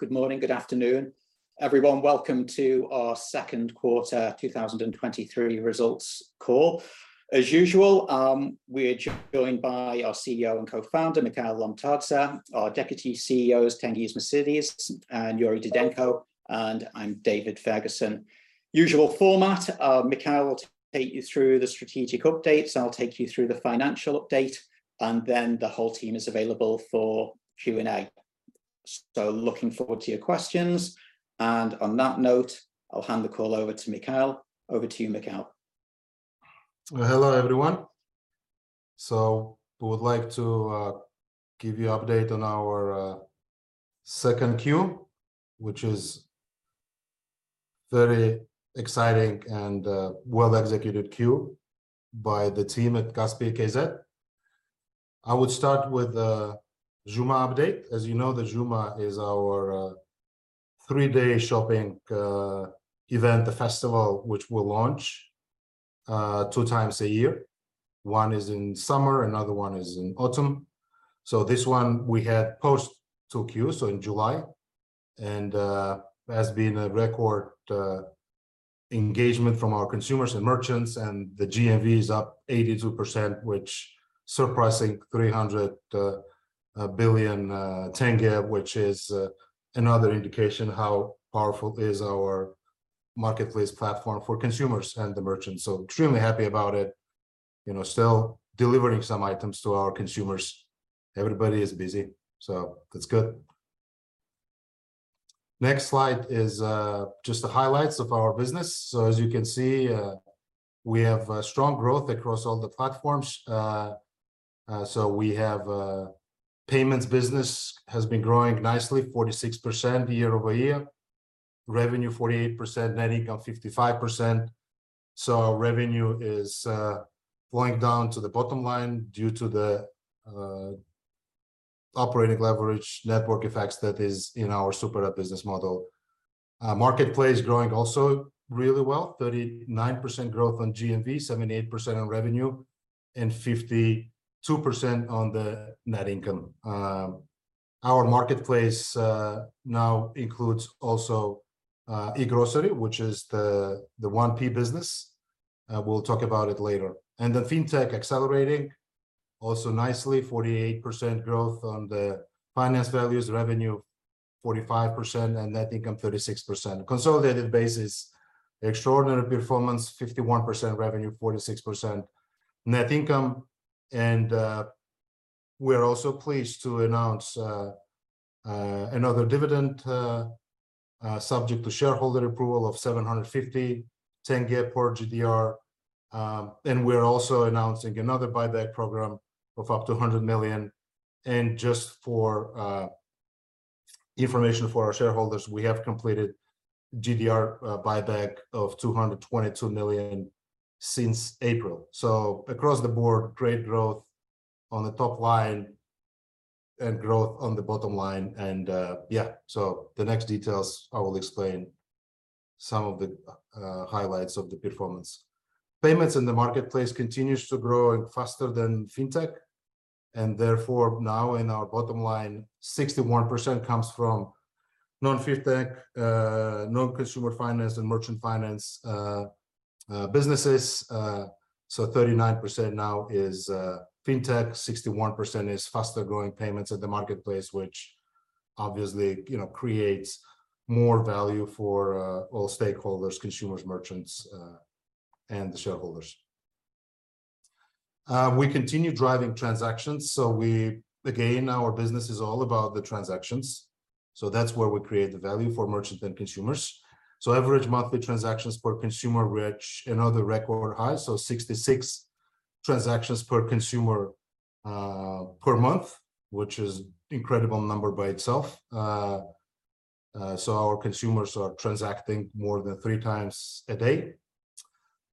Good morning, good afternoon, everyone. Welcome to our second quarter 2023 results call. As usual, we're joined by our CEO and Co-Founder, Mikheil Lomtadze, our Deputy CEOs, Tengiz Mosidze and Yuri Didenko, and I'm David Ferguson. Usual format, Mikheil will take you through the strategic updates, I'll take you through the financial update, and then the whole team is available for Q&A. Looking forward to your questions, and on that note, I'll hand the call over to Mikheil. Over to you, Mikheil. Hello, everyone. We would like to give you update on our second Q, which is very exciting and well-executed Q by the team at Kaspi.kz. I would start with the Juma update. As you know, the Juma is our three-day shopping event, the festival, which we launch two times a year. One is in summer, another one is in autumn. This one we had post two Q, in July, and has been a record engagement from our consumers and merchants, and the GMV is up 82%, which surpassing KZT 300 billion, which is another indication how powerful is our Marketplace platform for consumers and the merchants. Extremely happy about it. You know, still delivering some items to our consumers. Everybody is busy, that's good. Next slide is just the highlights of our business. As you can see, we have strong growth across all the platforms. We have Payments business has been growing nicely, 46% year-over-year. Revenue 48%. Net income 55%. Our revenue is going down to the bottom line due to the operating leverage network effects that is in our super app business model. Marketplace growing also really well, 39% growth on GMV, 78% on revenue, and 52% on the net income. Our Marketplace now includes also e-Grocery, which is the 1P business. We'll talk about it later. The Fintech accelerating also nicely, 48% growth on the finance values, revenue 45%, and net income 36%. Consolidated basis, extraordinary performance, 51% revenue, 46% net income. We're also pleased to announce another dividend, subject to shareholder approval of KZT 750 per GDR. We're also announcing another buyback program of up to $100 million. Just for information for our shareholders, we have completed GDR buyback of $222 million since April. Across the board, great growth on the top line and growth on the bottom line. The next details, I will explain some of the highlights of the performance. Payments in the Marketplace continues to grow and faster than Fintech, therefore now in our bottom line, 61% comes from non-Fintech, non-consumer finance and merchant finance businesses. 39% now is Fintech, 61% is faster growing Payments at the Marketplace, which obviously, you know, creates more value for all stakeholders, consumers, merchants, and the shareholders. We continue driving transactions, we again, our business is all about the transactions, that's where we create the value for merchants and consumers. Average monthly transactions per consumer, which another record high, 66 transactions per consumer per month, which is incredible number by itself. Our consumers are transacting more than three times a day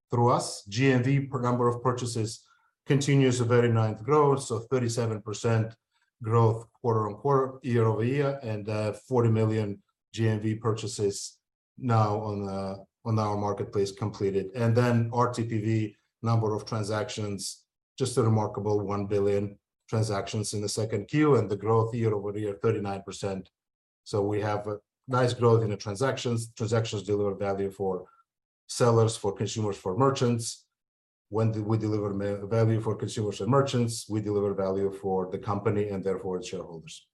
through us. GMV per number of purchases continues a very nice growth, 37% growth quarter-over-quarter, year-over-year, and 40 million GMV purchases now on our Marketplace completed. RTPV number of transactions, just a remarkable 1 billion transactions in the second Q, the growth year-over-year, 39%. We have a nice growth in the transactions. Transactions deliver value for sellers, for consumers, for merchants. When we deliver value for consumers and merchants, we deliver value for the company, and therefore its shareholders.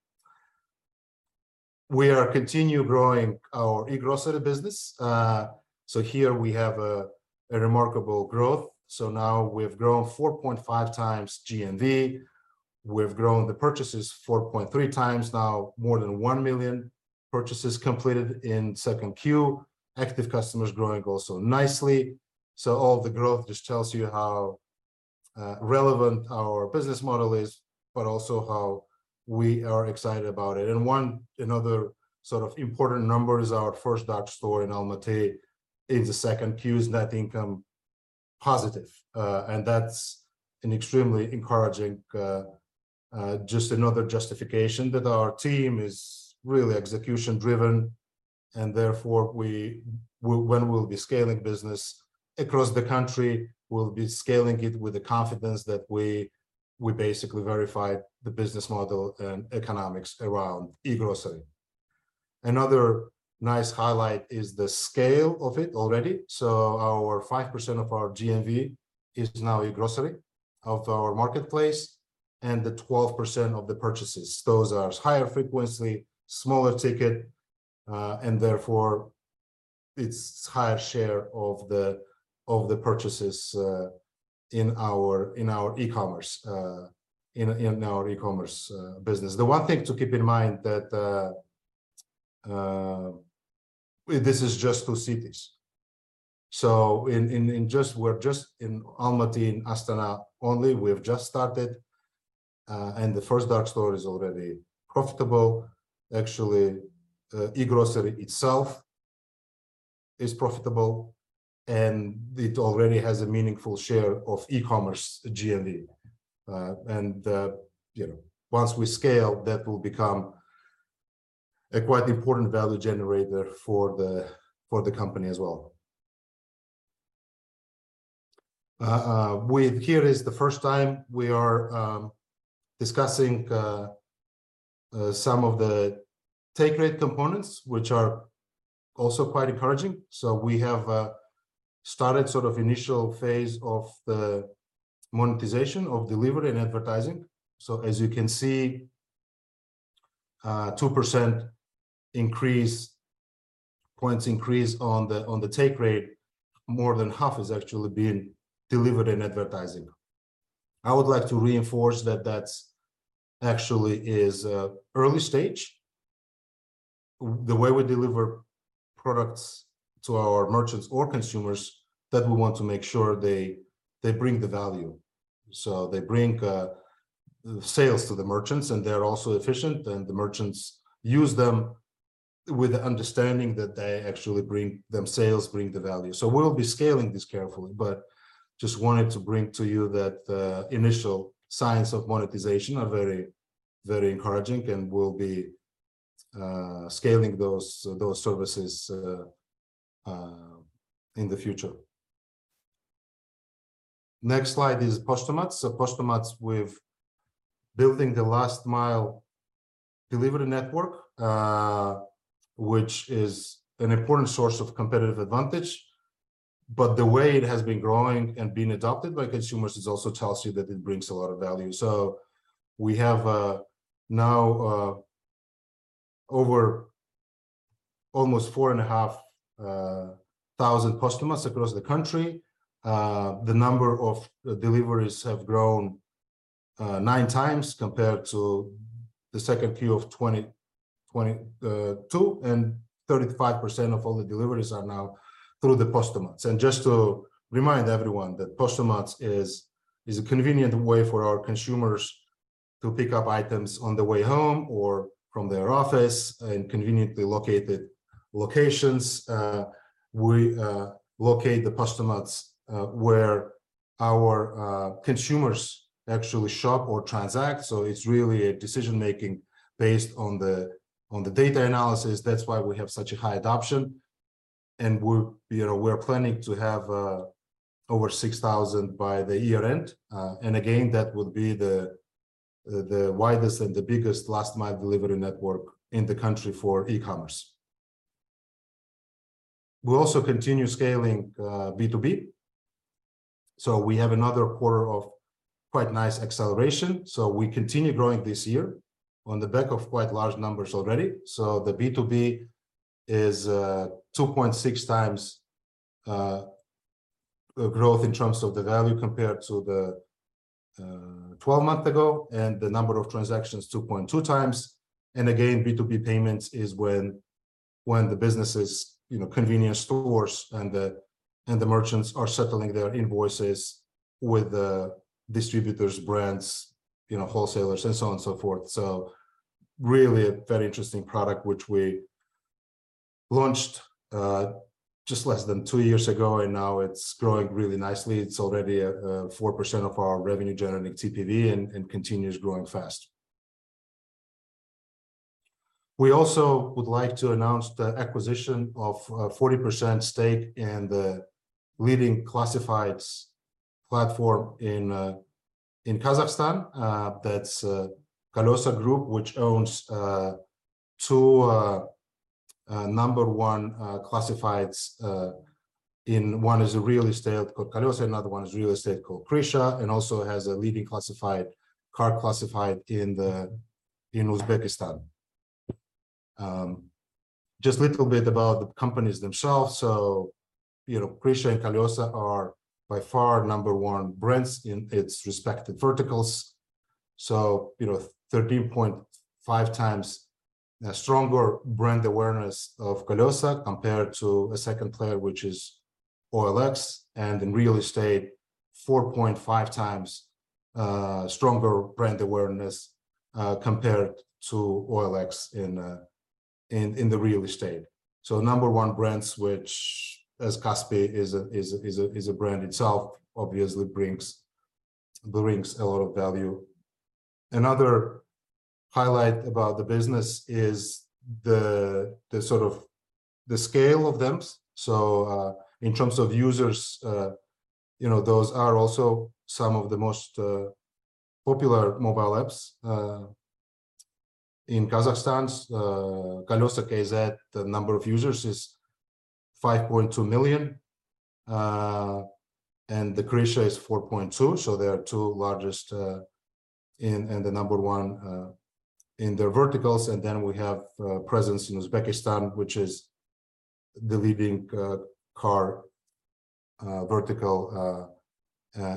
We are continue growing our e-Grocery business. Here we have a remarkable growth. Now we've grown 4.5x GMV. We've grown the purchases 4.3x, now more than 1 million purchases completed in second Q. Active customers growing also nicely. All the growth just tells you how relevant our business model is, but also how we are excited about it. Another sort of important number is our first dark store in Almaty in the second Q's net income positive. That's an extremely encouraging just another justification that our team is really execution-driven. When we'll be scaling business across the country, we'll be scaling it with the confidence that we basically verified the business model and economics around e-Grocery. Another nice highlight is the scale of it already. Our 5% of our GMV is now e-Grocery of our Marketplace, and the 12% of the purchases. Those are higher frequency, smaller ticket, and therefore it's higher share of the purchases in our e-commerce business. The one thing to keep in mind that this is just two cities. We're just in Almaty and Astana only. We've just started. The first dark store is already profitable. Actually, e-Grocery itself is profitable. It already has a meaningful share of e-commerce GMV. You know, once we scale, that will become a quite important value generator for the company as well. With here is the first time we are discussing some of the take rate components, which are also quite encouraging. We have started sort of initial phase of the monetization of delivery and advertising. As you can see, 2% increase, points increase on the take rate, more than half is actually being delivered in advertising. I would like to reinforce that that's actually is early stage. The way we deliver products to our merchants or consumers, that we want to make sure they bring the value. They bring sales to the merchants, and they're also efficient, and the merchants use them with the understanding that they actually bring them sales, bring the value. We'll be scaling this carefully, but just wanted to bring to you that initial signs of monetization are very, very encouraging, and we'll be scaling those services in the future. Next slide is Postomats. Postomats, we've building the last mile delivery network, which is an important source of competitive advantage. The way it has been growing and being adopted by consumers is also tells you that it brings a lot of value. We have now over almost 4.5 thousand Postomats across the country. The number of deliveries have grown 9x compared to the second Q of 2022, 35% of all the deliveries are now through the Postomats. Just to remind everyone, that Postomats is a convenient way for our consumers to pick up items on the way home or from their office, in conveniently located locations. We locate the Postomats where our consumers actually shop or transact, so it's really a decision-making based on the data analysis. That's why we have such a high adoption. We're, you know, we're planning to have over 6,000 by the year end. Again, that would be the widest and the biggest last mile delivery network in the country for e-commerce. We'll also continue scaling B2B. We have another quarter of quite nice acceleration, so we continue growing this year on the back of quite large numbers already. The B2B is 2.6x growth in terms of the value compared to the 12 months ago, and the number of transactions 2.2x. Again, B2B Payments is when the businesses, you know, convenience stores and the merchants are settling their invoices with the distributors, brands, you know, wholesalers, and so on and so forth. Really a very interesting product, which we launched just less than two years ago, and now it's growing really nicely. It's already at 4% of our revenue-generating TPV and continues growing fast. We also would like to announce the acquisition of a 40% stake in the leading classifieds platform in Kazakhstan. That's Kolesa Group, which owns two number one classifieds. In one is a real estate called Kolesa, another one is real estate called Krisha, and also has a leading classified, car classified in Uzbekistan. Just little bit about the companies themselves. You know, Krisha and Kolesa are by far number one brands in its respective verticals. You know, 13.5x stronger brand awareness of Kolesa compared to a second player, which is OLX, and in real estate, 4.5x stronger brand awareness compared to OLX in the real estate. Number one brands, which as Kaspi is a brand itself, obviously brings a lot of value. Another highlight about the business is the sort of the scale of them. In terms of users, you know, those are also some of the most popular mobile apps in Kazakhstan. Kolesa.kz, the number of users is 5.2 million, and the Krisha.kz is 4.2 million. They are two largest and the number one in their verticals. We have presence in Uzbekistan, which is the leading car vertical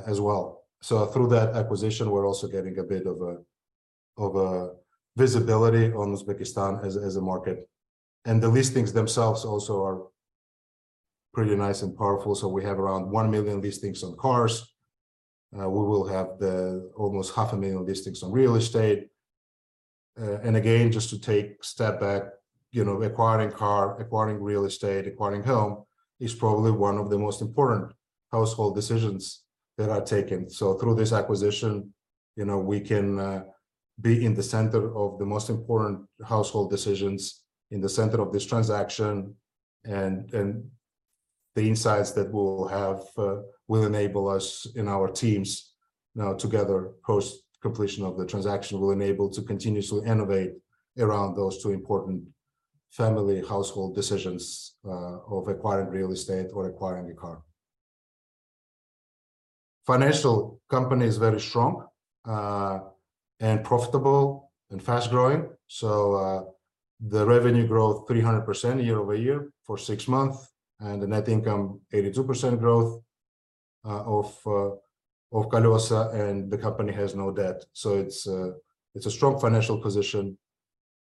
as well. Through that acquisition, we're also getting a bit of a visibility on Uzbekistan as a market. The listings themselves also are pretty nice and powerful. We have around 1 million listings on cars. We will have the almost half a million listings on real estate. Again, just to take a step back, you know, acquiring car, acquiring real estate, acquiring home is probably one of the most important household decisions that are taken. Through this acquisition, you know, we can be in the center of the most important household decisions, in the center of this transaction. The insights that we'll have will enable us and our teams now together, post-completion of the transaction, will enable to continuously innovate around those two important family household decisions of acquiring real estate or acquiring a car. Financial company is very strong and profitable and fast-growing. The revenue growth 300% year-over-year for six months, and the net income 82% growth of Kolesa, and the company has no debt. It's a strong financial position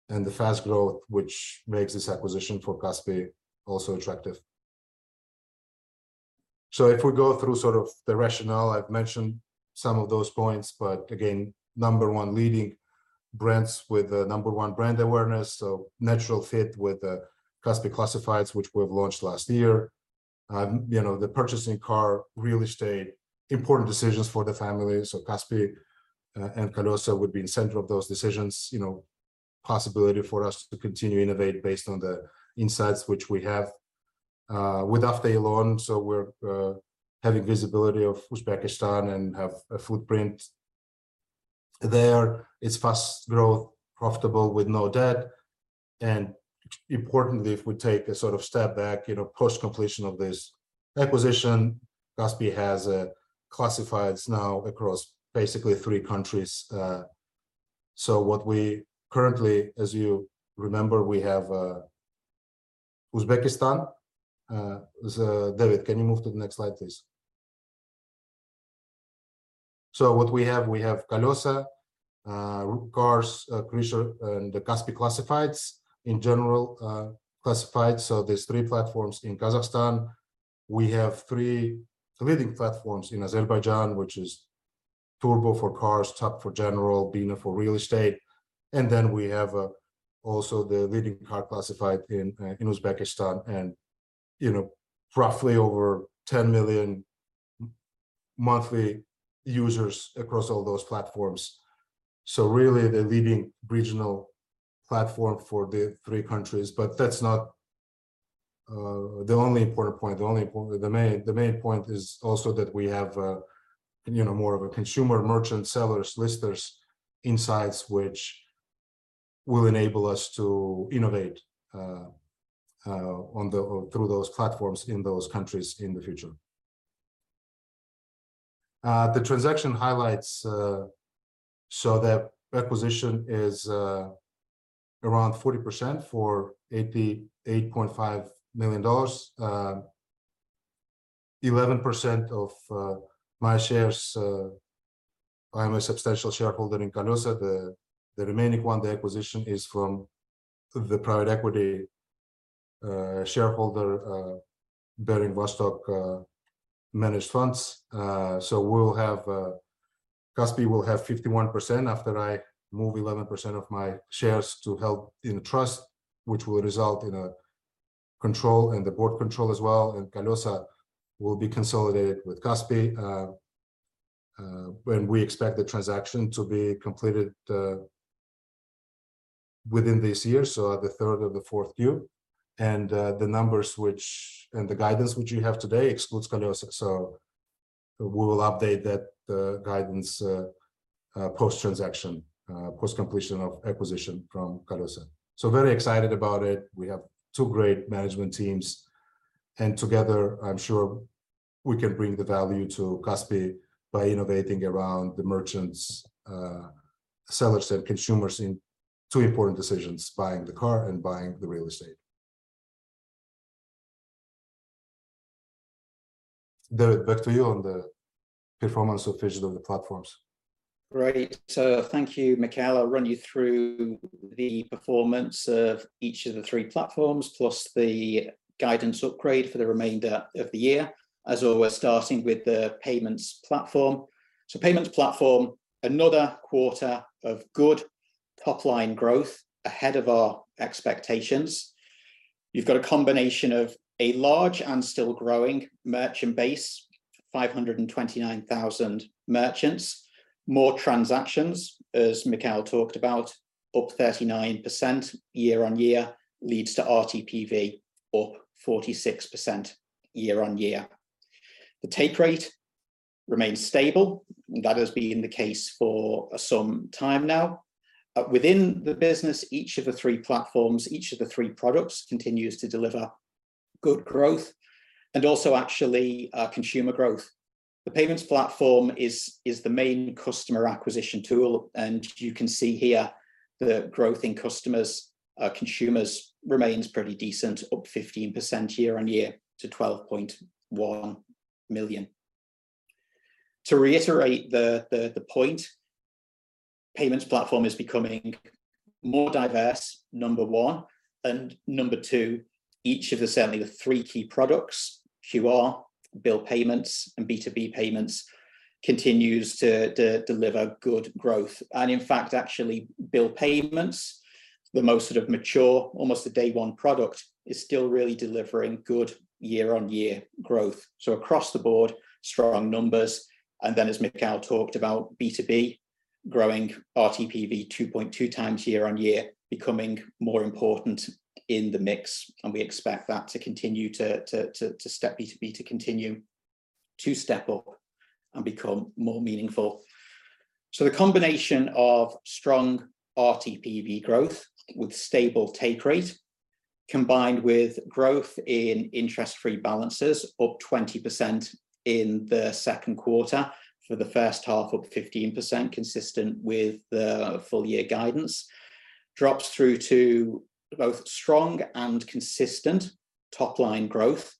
and the fast growth, which makes this acquisition for Kaspi also attractive. If we go through sort of the rationale, I've mentioned some of those points. Again, number one, leading brands with a number one brand awareness, so natural fit with the Kaspi Classifieds, which we've launched last year. You know, the purchasing car, real estate, important decisions for the family. Kaspi and Kolesa would be in center of those decisions. You know, possibility for us to continue innovate based on the insights which we have. With Avtoelon.uz, so we're having visibility of Uzbekistan and have a footprint there. It's fast growth, profitable with no debt. Importantly, if we take a sort of step back, you know, post-completion of this acquisition, Kaspi has classifieds now across basically three countries. What we currently, as you remember, we have Uzbekistan. David, can you move to the next slide, please? What we have, we have Kolesa for cars, Krisha, and the Kaspi Classifieds. In general, classified, there's three platforms in Kazakhstan. We have three leading platforms in Azerbaijan, which is Turbo.az for cars, Tap.az for general, Bina.az for real estate. We have also the leading car classified in Uzbekistan, and, you know, roughly over 10 million monthly users across all those platforms. Really, the leading regional platform for the three countries. That's not the only important point. The main point is also that we have, you know, more of a consumer, merchant, sellers, listers insights, which will enable us to innovate through those platforms in those countries in the future. The transaction highlights, the acquisition is around 40% for $88.5 million. 11% of my shares, I'm a substantial shareholder in Kolesa. The remaining one, the acquisition is from the private equity shareholder, Baring Vostok managed funds. We'll have Kaspi will have 51% after I move 11% of my shares to held in trust, which will result in a control and the board control as well, and Kolesa will be consolidated with Kaspi. We expect the transaction to be completed within this year, so the third or the fourth Q. The guidance which you have today excludes Kolesa, so we will update that guidance post-transaction, post-completion of acquisition from Kolesa. Very excited about it. We have two great management teams, and together, I'm sure we can bring the value to Kaspi by innovating around the merchants, sellers, and consumers in two important decisions: buying the car and buying the real estate. David, back to you on the performance of each of the platforms. Great. Thank you, Mikheil Lomtadze. I'll run you through the performance of each of the three platforms, plus the guidance upgrade for the remainder of the year. As always, starting with the Payments Platform. Payments Platform, another quarter of good top-line growth ahead of our expectations. You've got a combination of a large and still growing merchant base, 529,000 merchants. More transactions, as Mikheil Lomtadze talked about, up 39% year-on-year, leads to RTPV, up 46% year-on-year. The take rate remains stable, and that has been the case for some time now. Within the business, each of the three platforms, each of the three products continues to deliver good growth and also actually, consumer growth. The Payments Platform is the main customer acquisition tool, you can see here the growth in customers, consumers remains pretty decent, up 15% year-on-year to 12.1 million. To reiterate the point, Payments Platform is becoming more diverse, number one, and number two, each of the certainly the three key products, QR, Bill Payments, and B2B Payments, continues to deliver good growth. In fact, actually, Bill Payments, the most sort of mature, almost a day one product, is still really delivering good year-on-year growth. Across the board, strong numbers, as Mikheil talked about, B2B, growing RTPV 2.2x year-on-year, becoming more important in the mix, and we expect that to continue to step up and become more meaningful. The combination of strong RTPV growth with stable take rate, combined with growth in interest-free balances, up 20% in the second quarter. For the first half, up 15%, consistent with the full year guidance, drops through to both strong and consistent top-line growth.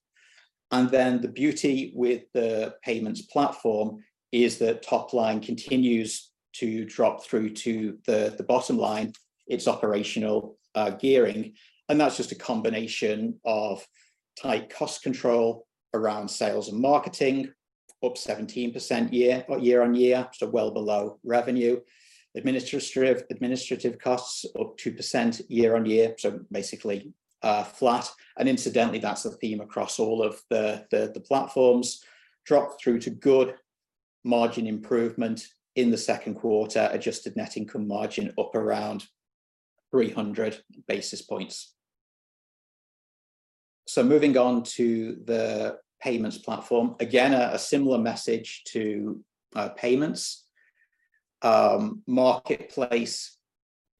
The beauty with the Payments Platform is that top-line continues to drop through to the bottom line, its operational gearing, and that's just a combination of tight cost control around sales and marketing, up 17% year-on-year, so well below revenue. Administrative costs, up 2% year-on-year, so basically flat. Incidentally, that's the theme across all of the platforms. Drop through to good margin improvement in the second quarter, adjusted net income margin up around 300 basis points. Moving on to the Payments Platform. Again, a similar message to Payments. Marketplace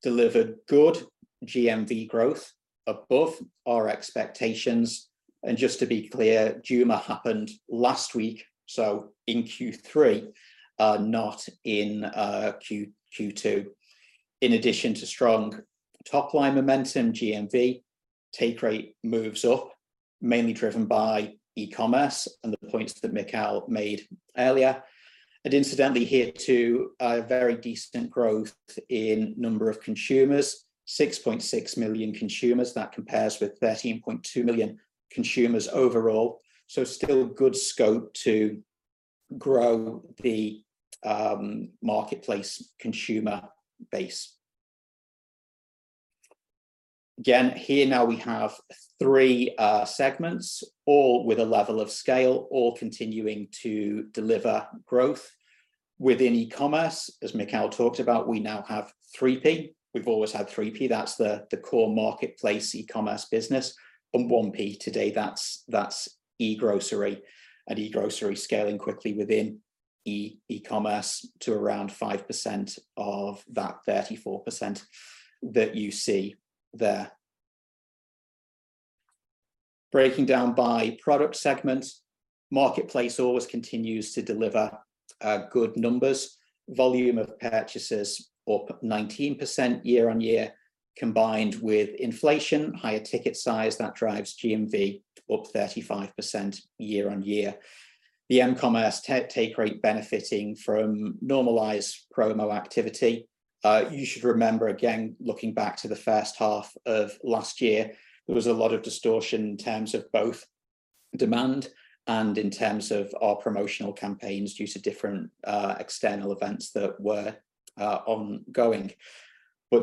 delivered good GMV growth above our expectations. Just to be clear, Juma happened last week, so in Q3, not in Q2. In addition to strong top-line momentum, GMV take rate moves up, mainly driven by e-commerce and the points that Mikheil made earlier. Incidentally here, too, a very decent growth in number of consumers, 6.6 million consumers. That compares with 13.2 million consumers overall. Still good scope to grow the Marketplace consumer base. Again, here now we have three segments, all with a level of scale, all continuing to deliver growth. Within e-commerce, as Mikheil talked about, we now have 3P. We've always had 3P, that's the core Marketplace e-commerce business, and 1P today, that's e-Grocery. E-Grocery is scaling quickly within e-commerce to around 5% of that 34% that you see there. Breaking down by product segments, Marketplace always continues to deliver good numbers. Volume of purchases up 19% year-on-year, combined with inflation, higher ticket size, that drives GMV up 35% year-on-year. The m-commerce take rate benefiting from normalized promo activity. You should remember, again, looking back to the first half of last year, there was a lot of distortion in terms of both demand and in terms of our promotional campaigns due to different external events that were ongoing.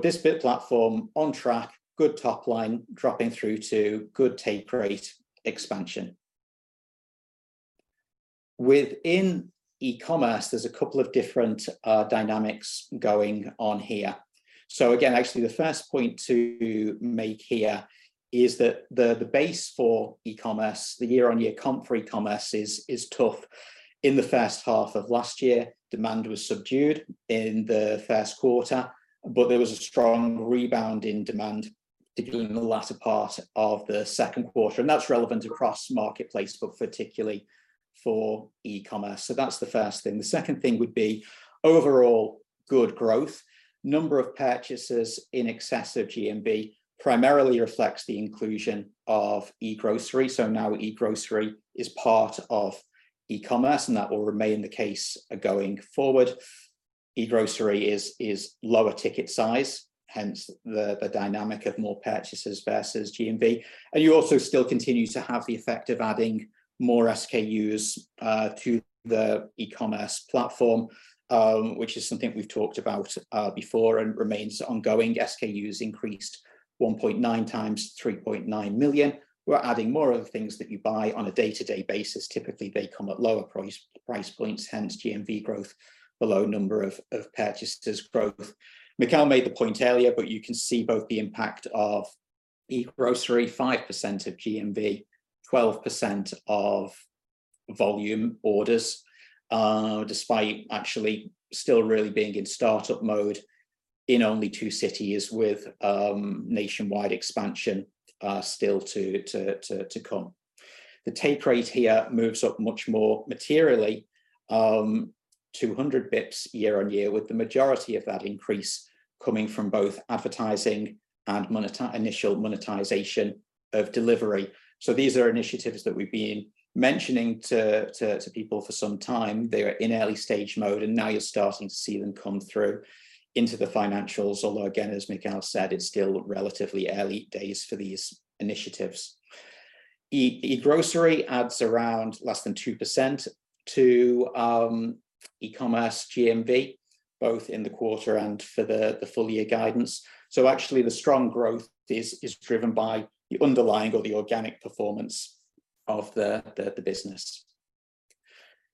This bit platform on track, good top line, dropping through to good take rate expansion. Within e-commerce, there's a couple of different dynamics going on here. Again, actually, the first point to make here is that the base for e-commerce, the year-on-year comp for e-commerce is tough. In the first half of last year, demand was subdued in the first quarter, but there was a strong rebound in demand, particularly in the latter part of the second quarter, and that's relevant across Marketplace, but particularly for e-commerce. That's the first thing. The second thing would be overall good growth. Number of purchases in excess of GMV primarily reflects the inclusion of e-Grocery. Now e-Grocery is part of e-commerce, and that will remain the case going forward. e-Grocery is lower ticket size, hence the dynamic of more purchases versus GMV. You also still continue to have the effect of adding more SKUs to the e-commerce platform, which is something we've talked about before, and remains ongoing. SKUs increased 1.9x, 3.9 million. We're adding more of the things that you buy on a day-to-day basis. Typically, they come at lower price points, hence GMV growth, below number of purchases growth. Mikheil made the point earlier, but you can see both the impact of e-Grocery, 5% of GMV, 12% of volume orders, despite actually still really being in start-up mode in only two cities with nationwide expansion still to come. The take rate here moves up much more materially, 200 basis points year-on-year, with the majority of that increase coming from both advertising and initial monetization of delivery. These are initiatives that we've been mentioning to people for some time. They are in early stage mode, and now you're starting to see them come through into the financials, although again, as Mikheil said, it's still relatively early days for these initiatives. e-Grocery adds around less than 2% to e-commerce GMV, both in the quarter and for the full year guidance. Actually, the strong growth is driven by the underlying or the organic performance of the business.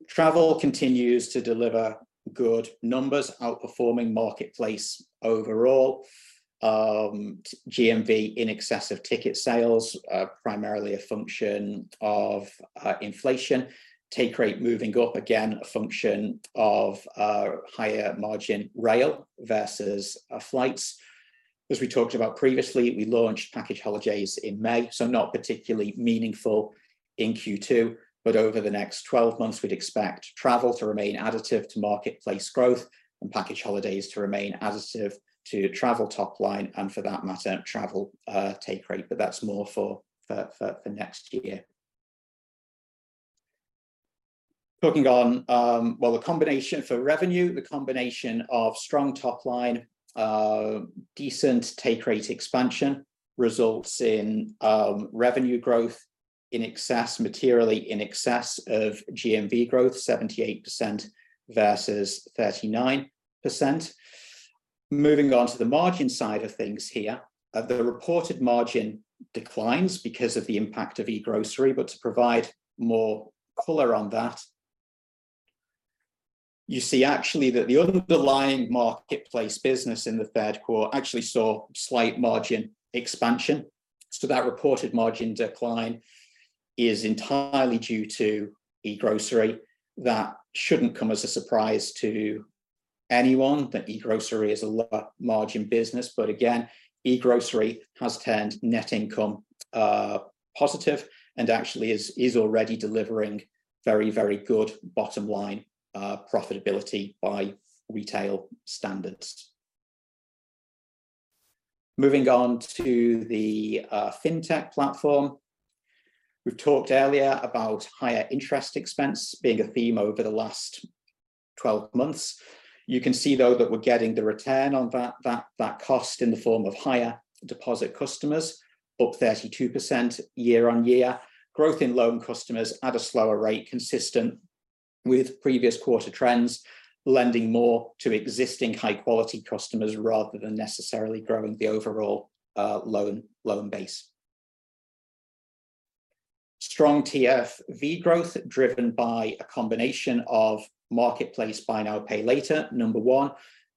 Travel continues to deliver good numbers, outperforming Marketplace overall. GMV in excess of ticket sales, primarily a function of inflation. Take rate moving up, again, a function of higher margin rail versus flights. As we talked about previously, we launched package holidays in May, not particularly meaningful in Q2, but over the next 12 months, we'd expect travel to remain additive to Marketplace growth and package holidays to remain additive to travel top line, and for that matter, travel take rate, but that's more for next year. Clicking on, well, the combination for revenue, the combination of strong top line, decent take rate expansion, results in revenue growth in excess, materially in excess of GMV growth, 78% versus 39%. Moving on to the margin side of things here, the reported margin declines because of the impact of e-Grocery, but to provide more color on that, you see actually that the underlying Marketplace business in the third quarter actually saw slight margin expansion. That reported margin decline is entirely due to e-Grocery. That shouldn't come as a surprise to anyone, that e-Grocery is a lower margin business. Again, e-Grocery has turned net income positive and actually is already delivering very, very good bottom line profitability by retail standards. Moving on to the Fintech Platform. We've talked earlier about higher interest expense being a theme over the last 12 months. You can see, though, that we're getting the return on that cost in the form of higher deposit customers, up 32% year-on-year. Growth in loan customers at a slower rate, consistent with previous quarter trends, lending more to existing high-quality customers rather than necessarily growing the overall loan base. Strong TFV growth, driven by a combination of Marketplace buy now, pay later, number one.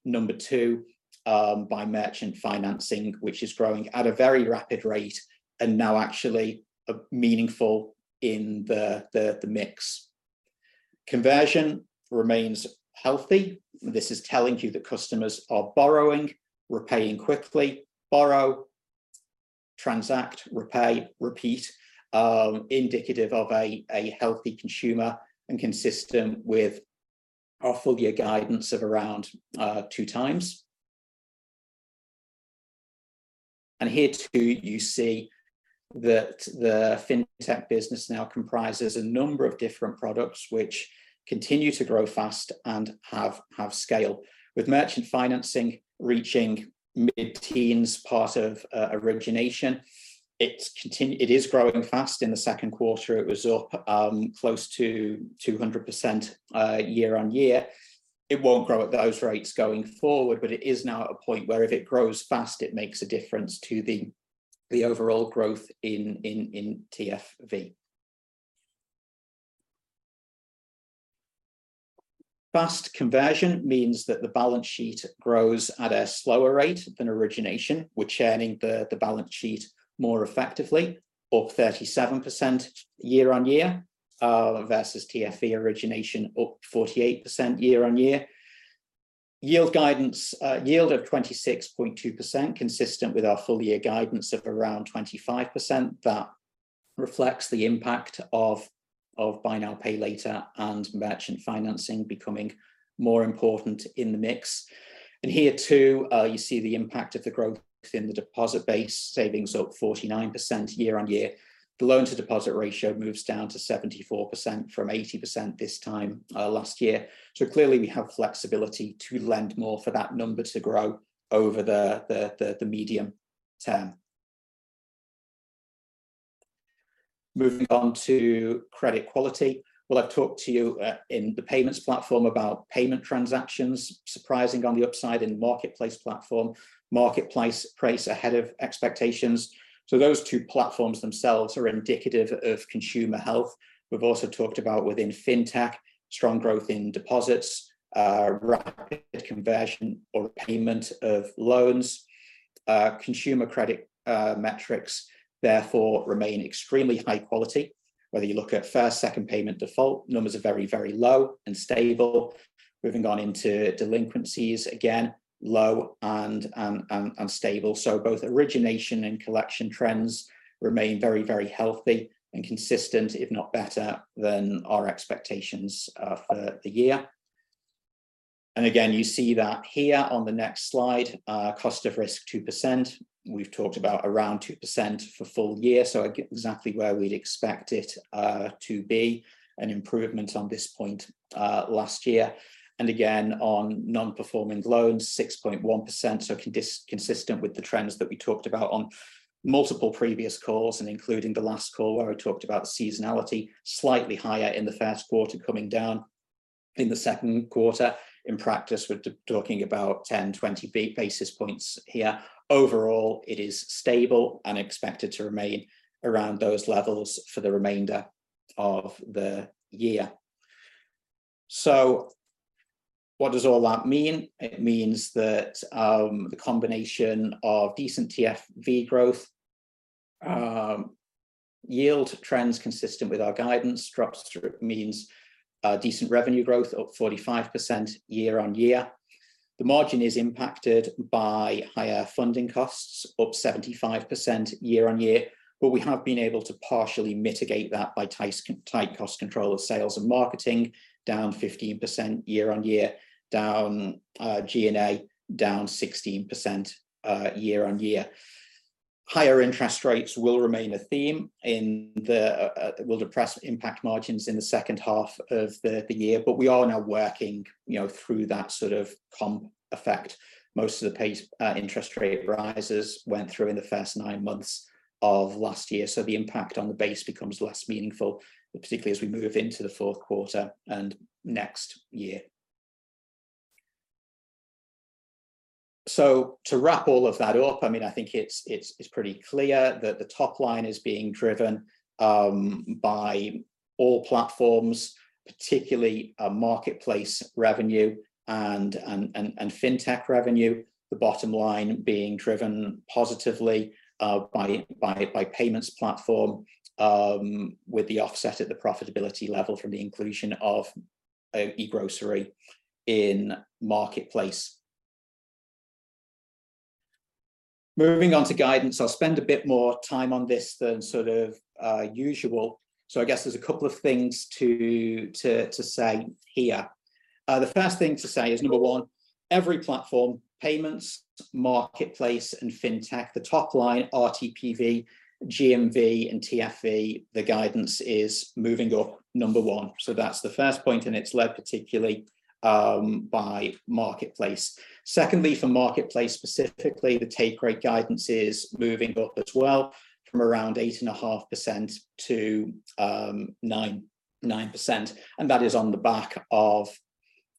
Number two, by merchant financing, which is growing at a very rapid rate and now actually meaningful in the mix. Conversion remains healthy. This is telling you that customers are borrowing, repaying quickly, borrow, transact, repay, repeat, indicative of a healthy consumer and consistent with our full year guidance of around 2x. Here, too, you see that the Fintech business now comprises a number of different products, which continue to grow fast and have scale, with merchant financing reaching mid-teens part of origination. It is growing fast. In the second quarter, it was up close to 200% year-on-year. It won't grow at those rates going forward, but it is now at a point where if it grows fast, it makes a difference to the overall growth in TFV. Fast conversion means that the balance sheet grows at a slower rate than origination. We're churning the balance sheet more effectively, up 37% year-on-year, versus TFE origination, up 48% year-on-year. Yield guidance, yield of 26.2%, consistent with our full year guidance of around 25%. That reflects the impact of buy now, pay later, and merchant financing becoming more important in the mix. Here, too, you see the impact of the growth in the deposit base, savings up 49% year-on-year. The loan-to-deposit ratio moves down to 74% from 80% this time last year. Clearly, we have flexibility to lend more for that number to grow over the medium term. Moving on to credit quality. I've talked to you in the Payments Platform about payment transactions, surprising on the upside in Marketplace platform. Marketplace price ahead of expectations. Those two platforms themselves are indicative of consumer health. We've also talked about within Fintech, strong growth in deposits, rapid conversion or repayment of loans. Consumer credit metrics, therefore remain extremely high quality. Whether you look at first, second payment default, numbers are very, very low and stable. Moving on into delinquencies, again, low and stable. Both origination and collection trends remain very, very healthy and consistent, if not better than our expectations for the year. Again, you see that here on the next slide, cost of risk, 2%. We've talked about around 2% for full year, again, exactly where we'd expect it to be, an improvement on this point last year. Again, on non-performing loans, 6.1%, consistent with the trends that we talked about on multiple previous calls, including the last call, where we talked about seasonality. Slightly higher in the first quarter, coming down in the second quarter. In practice, we're talking about 10, 20 basis points here. Overall, it is stable and expected to remain around those levels for the remainder of the year. What does all that mean? It means that the combination of decent TFV growth, yield trends consistent with our guidance structure, means decent revenue growth, up 45% year-on-year. The margin is impacted by higher funding costs, up 75% year-on-year. We have been able to partially mitigate that by tight cost control of sales and marketing, down 15% year-on-year, down G&A, down 16% year-on-year. Higher interest rates will remain a theme in the. It will depress, impact margins in the second half of the year. We are now working, you know, through that sort of comp effect. Most of the pace interest rate rises went through in the first nine months of last year, so the impact on the base becomes less meaningful, particularly as we move into the fourth quarter and next year. To wrap all of that up, I mean, I think it's pretty clear that the top line is being driven by all platforms, particularly Marketplace revenue and Fintech revenue. The bottom line being driven positively by Payments Platform with the offset at the profitability level from the inclusion of e-Grocery in Marketplace. Moving on to guidance, I'll spend a bit more time on this than sort of usual. I guess there's a couple of things to say here. The first thing to say is, number one, every platform, Payments, Marketplace, and Fintech, the top line, RTPV, GMV, and TFE, the guidance is moving up, number one. That's the first point, and it's led particularly by Marketplace. Secondly, for Marketplace specifically, the take rate guidance is moving up as well, from around 8.5%-9%, and that is on the back of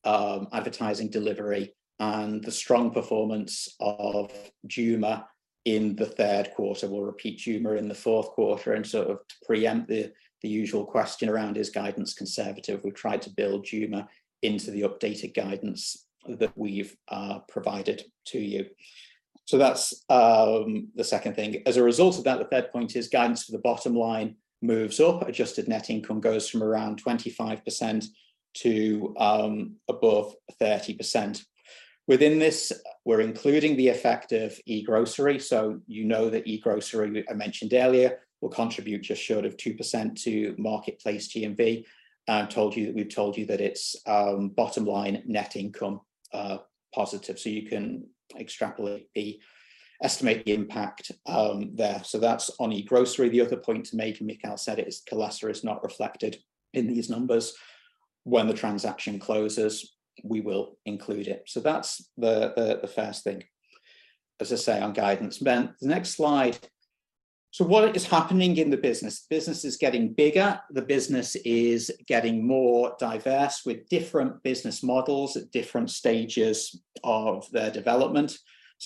advertising delivery and the strong performance of Juma in the third quarter. We'll repeat Juma in the fourth quarter. To preempt the usual question around, is guidance conservative? We tried to build Juma into the updated guidance that we've provided to you. That's the second thing. As a result of that, the third point is guidance to the bottom line moves up. Adjusted net income goes from around 25% to above 30%. Within this, we're including the effect of e-Grocery, so you know that e-Grocery, I mentioned earlier, will contribute just short of 2% to Marketplace GMV. Told you, we've told you that it's bottom line net income positive, so you can extrapolate the estimate, the impact there. That's on e-Grocery. The other point to make, and Mikheil said it, is Kolesa is not reflected in these numbers. When the transaction closes, we will include it. That's the first thing, as I say, on guidance. The next slide. What is happening in the business? Business is getting bigger. The business is getting more diverse, with different business models at different stages of their development.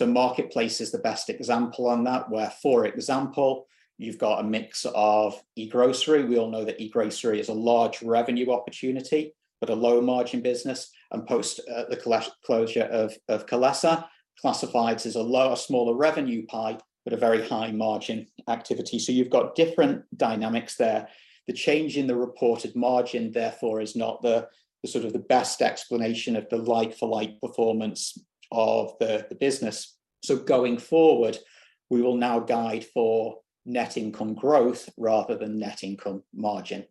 Marketplace is the best example on that, where, for example, you've got a mix of e-Grocery. We all know that e-Grocery is a large revenue opportunity, but a low-margin business. Post the closure of Kolesa, classifieds is a lower, smaller revenue pie, but a very high-margin activity. You've got different dynamics there. The change in the reported margin, therefore, is not the sort of the best explanation of the like-for-like performance of the business. Going forward, we will now guide for net income growth rather than net income margin.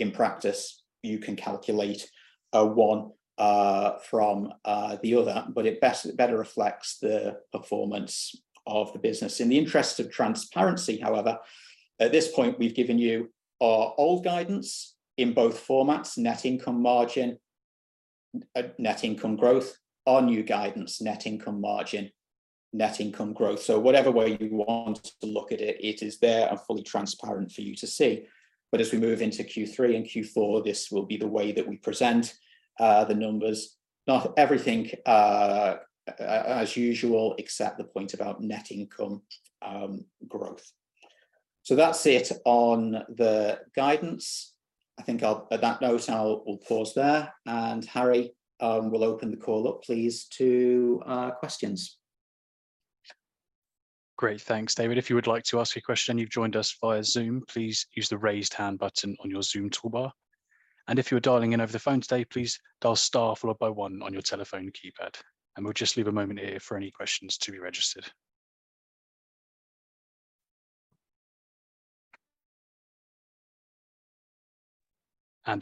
In practice, you can calculate one from the other, but it better reflects the performance of the business. In the interest of transparency, however, at this point, we've given you our old guidance in both formats, net income margin, net income growth, our new guidance, net income margin, net income growth. Whatever way you want to look at it is there and fully transparent for you to see. As we move into Q3 and Q4, this will be the way that we present the numbers. Not everything, as usual, except the point about net income growth. That's it on the guidance. I think I'll, on that note, we'll pause there, and Harry will open the call up, please, to questions. Great. Thanks, David. If you would like to ask a question and you've joined us via Zoom, please use the Raise Hand button on your Zoom toolbar. If you're dialing in over the phone today, please dial star followed by one on your telephone keypad. We'll just leave a moment here for any questions to be registered.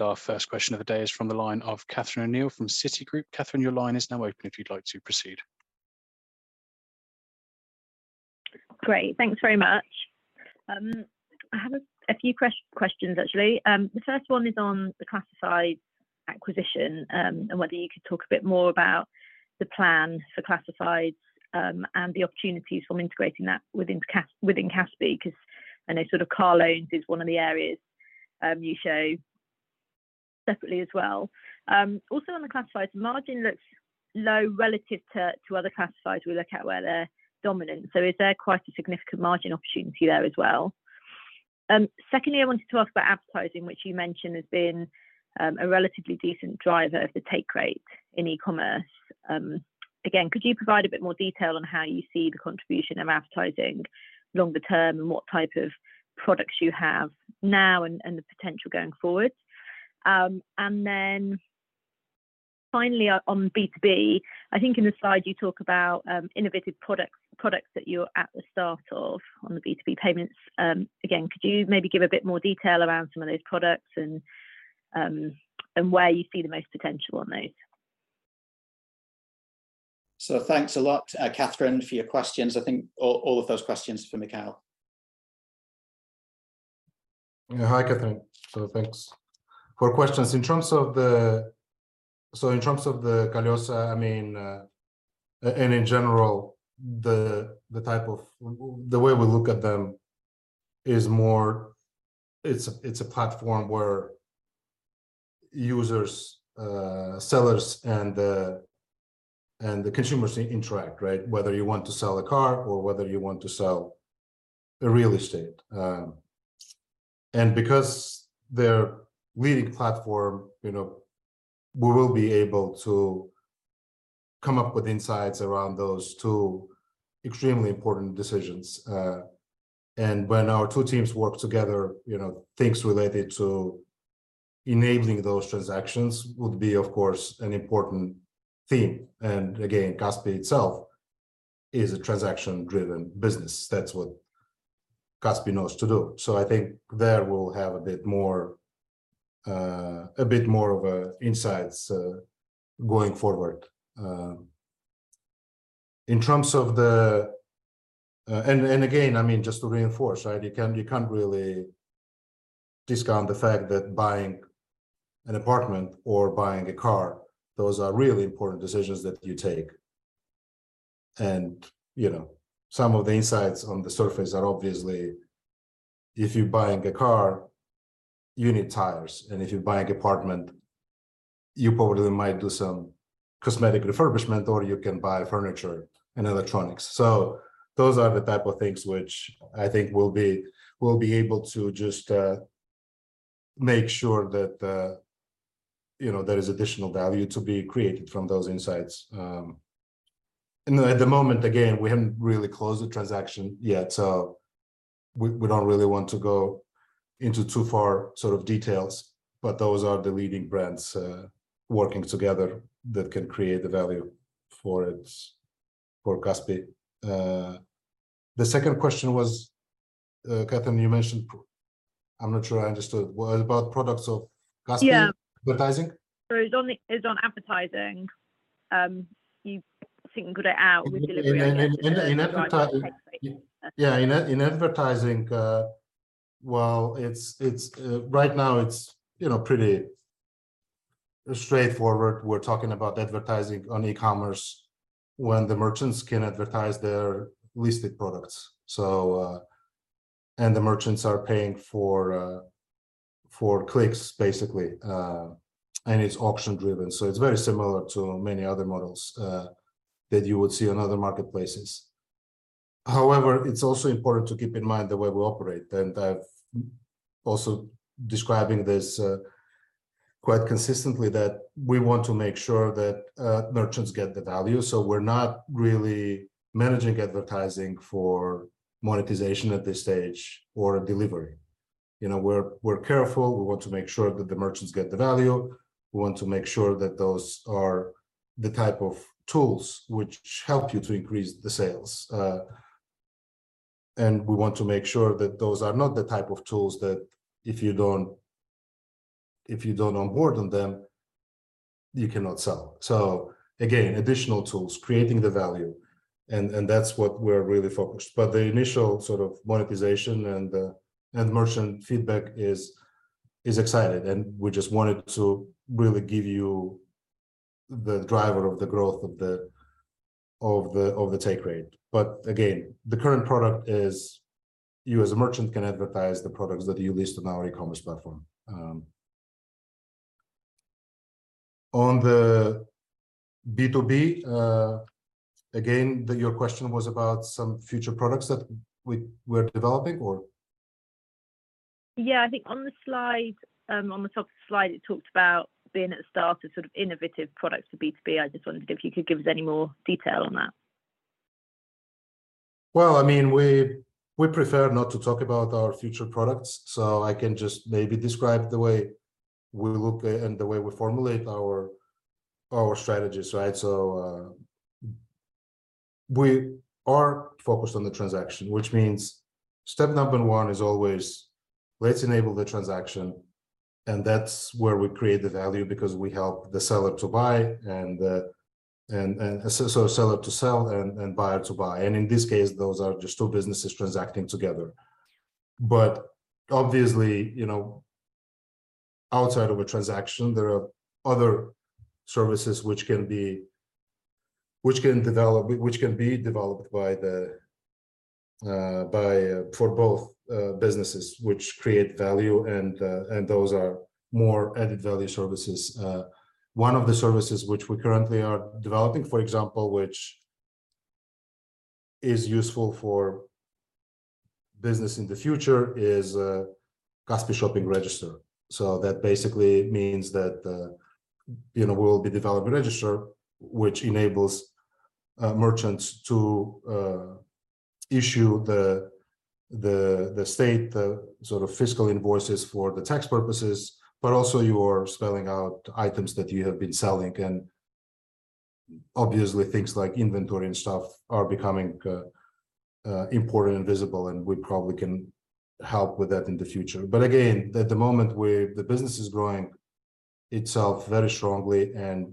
Our first question of the day is from the line of Catherine O'Neill from Citigroup. Catherine, your line is now open if you'd like to proceed. Great, thanks very much. I have a few questions, actually. The first one is on the classifieds acquisition, and whether you could talk a bit more about the plan for classifieds, and the opportunities from integrating that within Kaspi, 'cause I know sort of car loans is one of the areas, you show separately as well. Also on the classifieds, margin looks low relative to other classifieds we look at where they're dominant, so is there quite a significant margin opportunity there as well? Secondly, I wanted to ask about advertising, which you mentioned has been a relatively decent driver of the take rate in e-commerce. Again, could you provide a bit more detail on how you see the contribution of advertising longer term, and what type of products you have now, and the potential going forward? Then finally, on B2B, I think in the slide you talk about innovative products that you're at the start of on the B2B Payments. Again, could you maybe give a bit more detail around some of those products and where you see the most potential on those? Thanks a lot, Catherine, for your questions. I think all of those questions are for Mikheil. Hi, Catherine. Thanks for questions. In terms of the Kolesa, I mean, and in general, the way we look at them is more, it's a platform where users, sellers, and the consumers interact, right? Whether you want to sell a car or whether you want to sell a real estate. Because they're leading platform, you know, we will be able to come up with insights around those two extremely important decisions. When our two teams work together, you know, things related to enabling those transactions would be, of course, an important theme. Again, Kaspi itself is a transaction-driven business. That's what Kaspi knows to do. I think there we'll have a bit more of a insights going forward. In terms of the. Again, I mean, just to reinforce, right, you can't, you can't really discount the fact that buying an apartment or buying a car, those are really important decisions that you take. You know, some of the insights on the surface are obviously if you're buying a car, you need tires, and if you're buying apartment, you probably might do some cosmetic refurbishment, or you can buy furniture and electronics. Those are the type of things which I think we'll be, we'll be able to just make sure that, you know, there is additional value to be created from those insights. At the moment, again, we haven't really closed the transaction yet, so we don't really want to go into too far sort of details, but those are the leading brands working together that can create the value for it, for Kaspi. The second question was, Catherine, you mentioned, I'm not sure I understood. What about products of Kaspi? Yeah. Advertising? It's on advertising. You singled it out with- In advertising. Yeah, in advertising, well, it's right now it's, you know, pretty straightforward. We're talking about advertising on e-commerce when the merchants can advertise their listed products. The merchants are paying for clicks, basically, and it's auction-driven, so it's very similar to many other models that you would see on other marketplaces. However, it's also important to keep in mind the way we operate, and I've also describing this quite consistently, that we want to make sure that merchants get the value. We're not really managing advertising for monetization at this stage or delivery. You know, we're careful. We want to make sure that the merchants get the value. We want to make sure that those are the type of tools which help you to increase the sales. We want to make sure that those are not the type of tools that if you don't onboard on them, you cannot sell. Again, additional tools, creating the value, and that's what we're really focused. The initial sort of monetization and merchant feedback is excited, and we just wanted to really give you the driver of the growth of the take rate. Again, the current product is you as a merchant can advertise the products that you list on our e-commerce platform. On the B2B, again, your question was about some future products that we were developing or? I think on the slide, on the top of the slide, it talked about being at the start of sort of innovative products for B2B. I just wondered if you could give us any more detail on that? I mean, we prefer not to talk about our future products, so I can just maybe describe the way we look at and the way we formulate our strategies, right? We are focused on the transaction, which means step number one is always, let's enable the transaction, and that's where we create the value, because we help the seller to buy and so seller to sell and buyer to buy. In this case, those are just two businesses transacting together. Obviously, you know, outside of a transaction, there are other services which can be developed by the by for both businesses, which create value, and those are more added value services. One of the services which we currently are developing, for example, which is useful for business in the future, is Kaspi Shopping Register. That basically means that, you know, we'll be developing a register which enables merchants to issue the, the state, the sort of fiscal invoices for the tax purposes, but also you are spelling out items that you have been selling. Obviously, things like inventory and stuff are becoming important and visible, and we probably can help with that in the future. Again, at the moment, the business is growing itself very strongly, and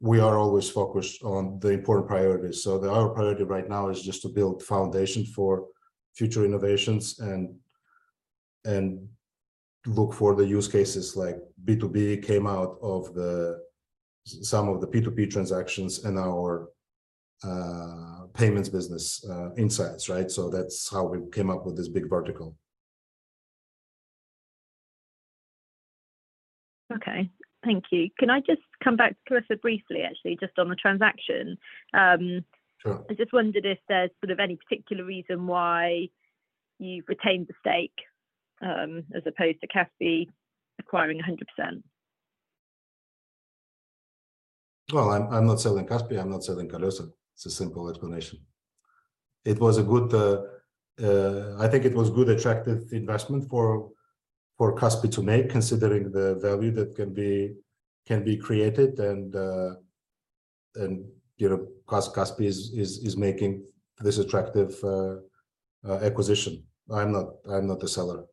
we are always focused on the important priorities. Our priority right now is just to build foundation for future innovations and look for the use cases like B2B came out of the some of the P2P transactions in our Payments business insights. That's how we came up with this big vertical. Okay. Thank you. Can I just come back to Kolesa briefly, actually, just on the transaction? Sure. I just wondered if there's sort of any particular reason why you retained the stake, as opposed to Kaspi acquiring 100%? Well, I'm not selling Kaspi, I'm not selling Kolesa. It's a simple explanation. It was a good, I think it was good, attractive investment for Kaspi to make, considering the value that can be created. You know, Kaspi is making this attractive acquisition. I'm not the seller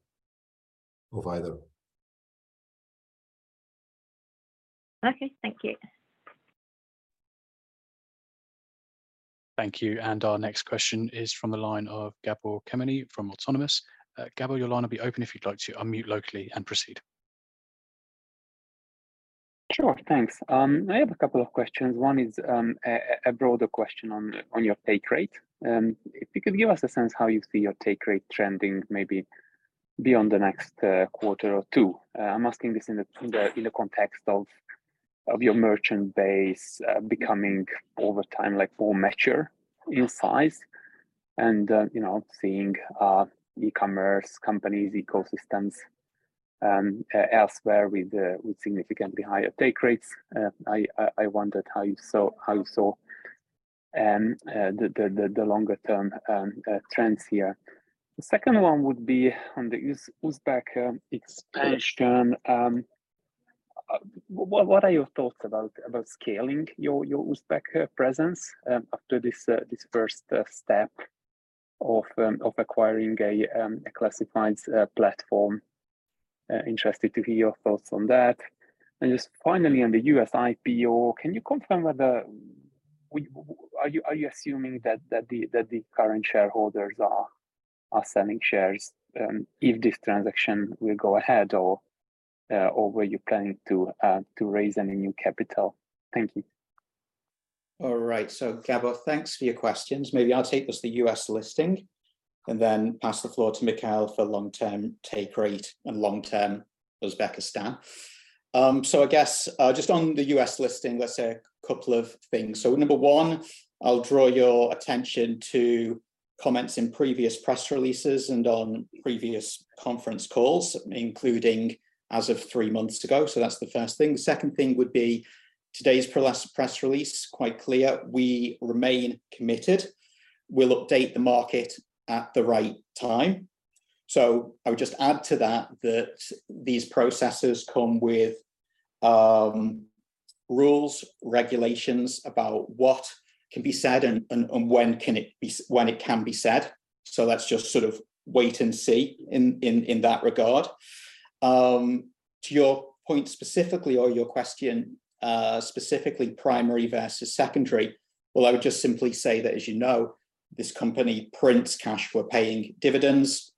of either. Okay. Thank you. Thank you. Our next question is from the line of Gabor Kemeny from Autonomous. Gabor, your line will be open if you'd like to unmute locally and proceed. Sure. Thanks. I have a couple of questions. One is, a broader question on your take rate. If you could give us a sense how you see your take rate trending, maybe beyond the next quarter or two? I'm asking this in the context of your merchant base, becoming, over time, like, more mature in size and, you know, seeing, e-commerce companies, ecosystems, elsewhere with significantly higher take rates. I wondered how you saw the longer-term trends here. The second one would be on the Uzbek expansion. What are your thoughts about scaling your Uzbek presence after this first step of acquiring a classifieds platform? Interested to hear your thoughts on that. Just finally, on the U.S. IPO, can you confirm whether are you assuming that the current shareholders are selling shares if this transaction will go ahead or were you planning to raise any new capital? Thank you. All right. Gabor, thanks for your questions. Maybe I'll take just the U.S. listing and then pass the floor to Mikheil for long-term take rate and long-term Uzbekistan. I guess, just on the U.S. listing, let's say a couple of things. Number one, I'll draw your attention to comments in previous press releases and on previous conference calls, including as of three months ago. That's the first thing. The second thing would be today's press release, quite clear, we remain committed. We'll update the market at the right time. I would just add to that these processes come with rules, regulations about what can be said and when it can be said. Let's just sort of wait and see in that regard. To your point specifically, or your question, specifically, primary versus secondary, well, I would just simply say that, as you know, this company prints cash. We're paying dividends,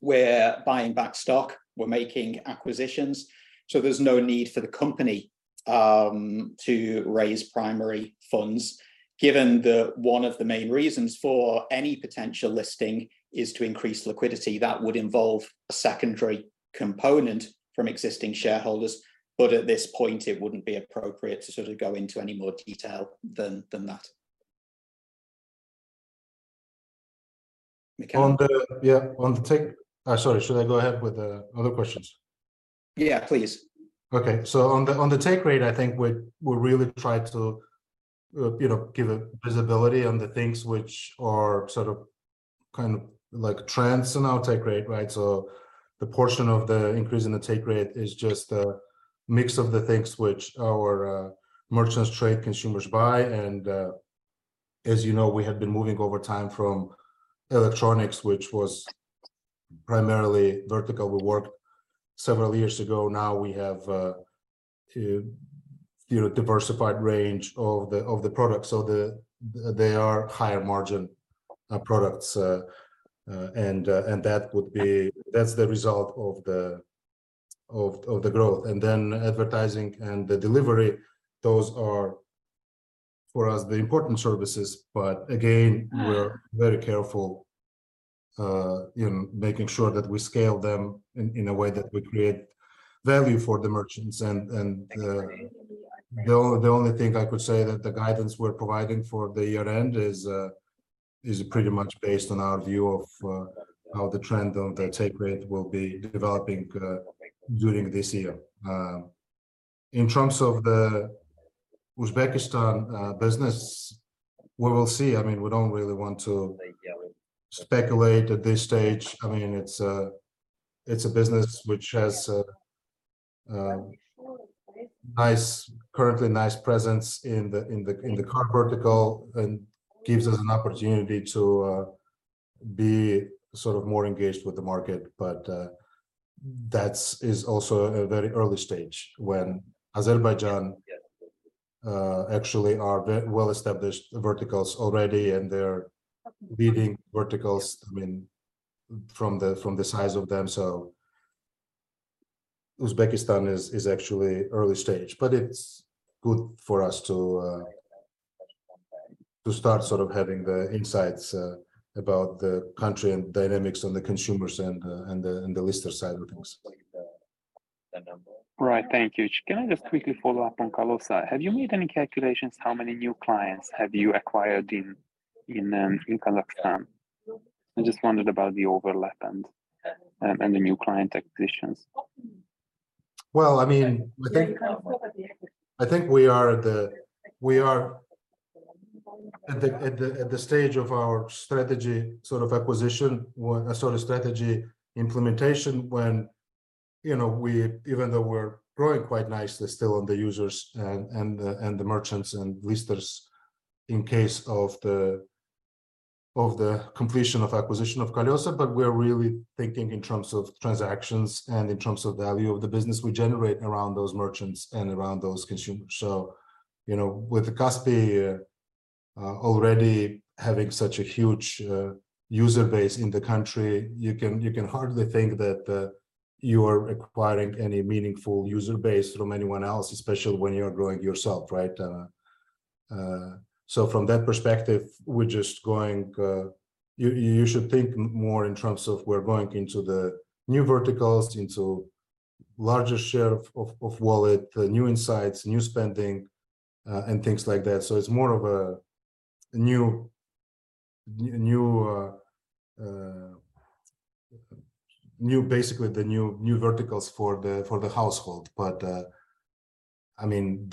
we're buying back stock, we're making acquisitions, so there's no need for the company to raise primary funds. Given that one of the main reasons for any potential listing is to increase liquidity, that would involve a secondary component from existing shareholders, but at this point, it wouldn't be appropriate to sort of go into any more detail than that. Mikheil? Sorry, should I go ahead with the other questions? Yeah, please. Okay. On the take rate, I think we really try to, you know, give a visibility on the things which are sort of kind of like trends in our take rate, right? The portion of the increase in the take rate is just a mix of the things which our merchants trade, consumers buy. As you know, we have been moving over time from electronics, which was primarily vertical. We worked several years ago, now we have to, you know, diversified range of the, of the products. They are higher margin products. That's the result of the growth. Advertising and the delivery, those are, for us, the important services. Again, we're very careful, in making sure that we scale them in a way that we create value for the merchants. The only thing I could say that the guidance we're providing for the year end is pretty much based on our view of how the trend on the take rate will be developing during this year. In terms of the Uzbekistan business, we will see. I mean, we don't really want to speculate at this stage. I mean, it's a business which has a nice, currently nice presence in the car vertical, and gives us an opportunity to be sort of more engaged with the market. That's is also a very early stage when Azerbaijan actually are very well-established verticals already, and they're leading verticals, I mean, from the size of them. Uzbekistan is actually early stage, but it's good for us to start sort of having the insights about the country and dynamics on the consumers and the lister side of things. Right. Thank you. Can I just quickly follow up on Kolesa? Have you made any calculations how many new clients have you acquired in Kazakhstan? I just wondered about the overlap and the new client acquisitions. Well, I mean, I think we are at the stage of our strategy sort of acquisition, or sorry, strategy implementation, when, you know, even though we're growing quite nicely still on the users and the merchants and listers, in case of the completion of acquisition of Kolesa. We're really thinking in terms of transactions and in terms of value of the business we generate around those merchants and around those consumers. You know, with Kaspi already having such a huge user base in the country, you can hardly think that you are acquiring any meaningful user base from anyone else, especially when you are growing yourself, right? From that perspective, we're just going. You should think more in terms of we're going into the new verticals, into larger share of wallet, new insights, new spending, and things like that. It's more of a new, basically, the new verticals for the household. I mean,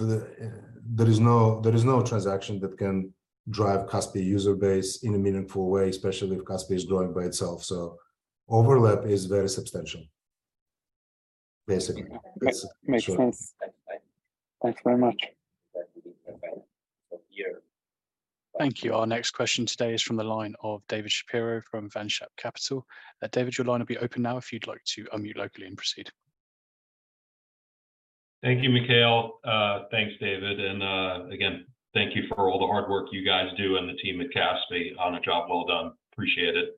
there is no, there is no transaction that can drive Kaspi user base in a meaningful way, especially if Kaspi is growing by itself, overlap is very substantial, basically. Makes sense. Thanks very much. Thank you. Our next question today is from the line of David Shapiro from Vanshap Capital. David, your line will be open now if you'd like to unmute locally and proceed. Thank you, Mikheil. Thanks, David, again, thank you for all the hard work you guys do and the team at Kaspi. On a job well done. Appreciate it.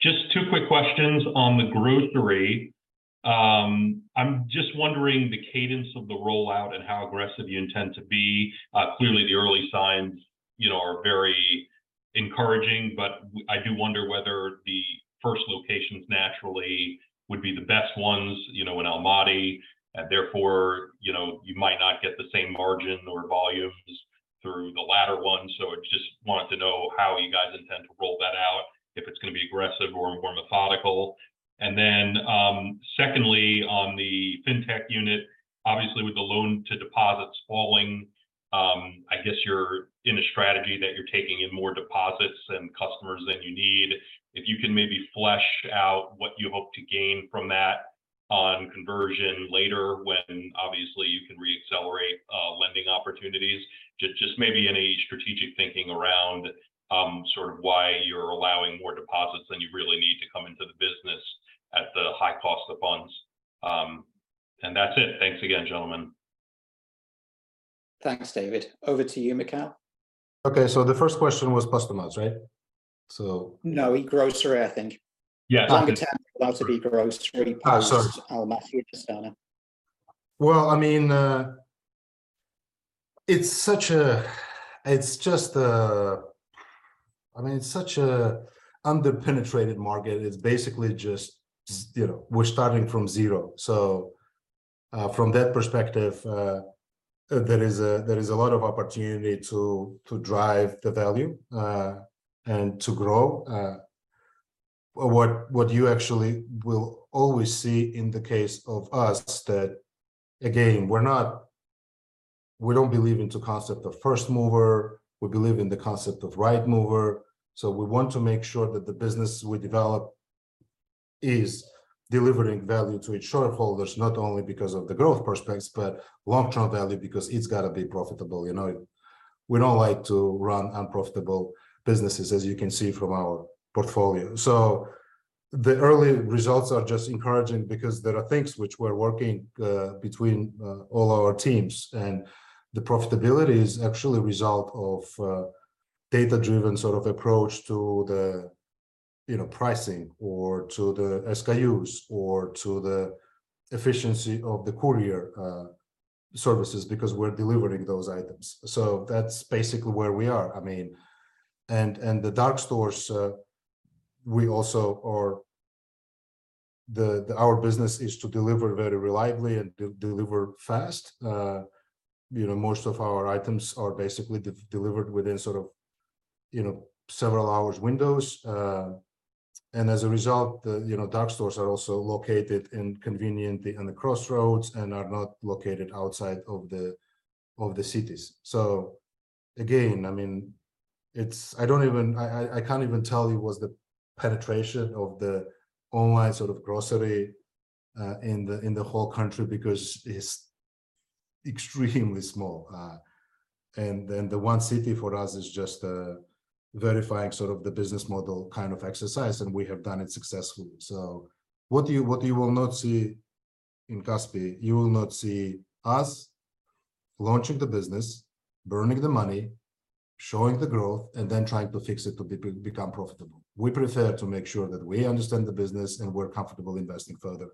Just two quick questions on the grocery. I'm just wondering the cadence of the rollout and how aggressive you intend to be. Clearly, the early signs, you know, are very encouraging, I do wonder whether the first locations naturally would be the best ones, you know, in Almaty, therefore, you know, you might not get the same margin or volumes through the latter ones. I just wanted to know how you guys intend to roll that out, if it's gonna be aggressive or more methodical. Secondly, on the Fintech unit, obviously, with the loan to deposits falling, I guess you're in a strategy that you're taking in more deposits and customers than you need. If you can maybe flesh out what you hope to gain from that on conversion later, when obviously you can re-accelerate lending opportunities. Just maybe any strategic thinking around sort of why you're allowing more deposits than you really need to come into the business at the high cost of funds. That's it. Thanks again, gentlemen. Thanks, David. Over to you, Mikheil. Okay, the first question was customers, right? No, e-Grocery, I think. Yeah, okay. Time allow to be grocery- Oh, sorry. Almaty, Astana. Well, I mean, it's just a, I mean, it's such a under-penetrated market. It's basically just, you know, we're starting from zero. From that perspective, there is a lot of opportunity to drive the value, and to grow. What you actually will always see in the case of us, that, again, we don't believe in the concept of first mover, we believe in the concept of right mover. We want to make sure that the business we develop is delivering value to its shareholders, not only because of the growth prospects, but long-term value, because it's gotta be profitable. You know, we don't like to run unprofitable businesses, as you can see from our portfolio. The early results are just encouraging because there are things which we're working between all our teams. The profitability is actually a result of a data-driven sort of approach to the, you know, pricing or to the SKUs or to the efficiency of the courier services, because we're delivering those items. That's basically where we are, I mean. The dark stores, we also are. Our business is to deliver very reliably and deliver fast. You know, most of our items are basically delivered within sort of, you know, several hours windows. As a result, the, you know, dark stores are also located in conveniently in the crossroads, and are not located outside of the cities. Again, I mean, it's. I don't even. I can't even tell you what's the penetration of the online sort of grocery in the whole country, because it's extremely small. The one city for us is just verifying sort of the business model kind of exercise, and we have done it successfully. What you will not see in Kaspi, you will not see us launching the business, burning the money, showing the growth, and then trying to fix it to become profitable. We prefer to make sure that we understand the business and we're comfortable investing further,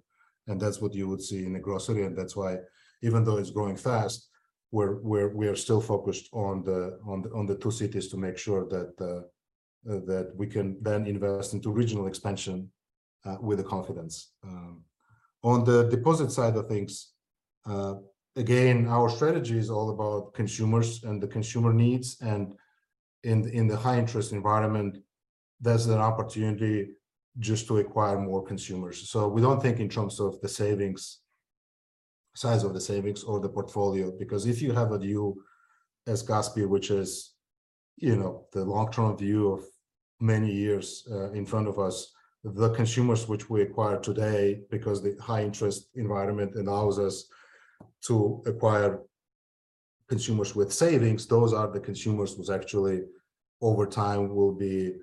and that's what you would see in the grocery. That's why even though it's growing fast, we are still focused on the two cities to make sure that we can then invest into regional expansion with the confidence. On the deposit side of things, again, our strategy is all about consumers and the consumer needs, in the high-interest environment, there's an opportunity just to acquire more consumers. We don't think in terms of the savings, size of the savings or the portfolio, because if you have a view as Kaspi, which is, you know, the long-term view of many years in front of us, the consumers which we acquire today, because the high-interest environment allows us to acquire consumers with savings, those are the consumers whose actually over time will be,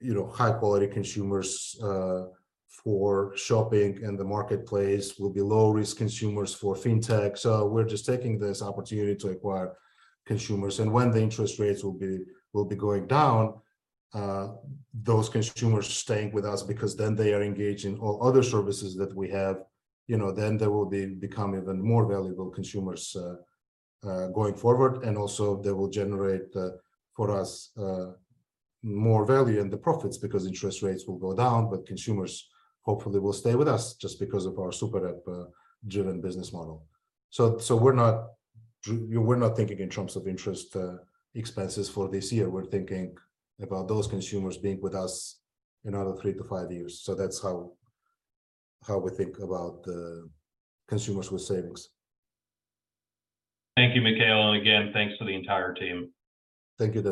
you know, high-quality consumers for shopping, and the Marketplace will be low-risk consumers for Fintech. We're just taking this opportunity to acquire consumers. When the interest rates will be going down, those consumers are staying with us because then they are engaged in all other services that we have. You know, they will become even more valuable consumers going forward, and also they will generate for us more value and the profits, because interest rates will go down, but consumers hopefully will stay with us just because of our super app driven business model. We're not thinking in terms of interest expenses for this year, we're thinking about those consumers being with us another three to five years. That's how we think about the consumers with savings. Thank you, Mikheil, and again, thanks to the entire team. Thank you,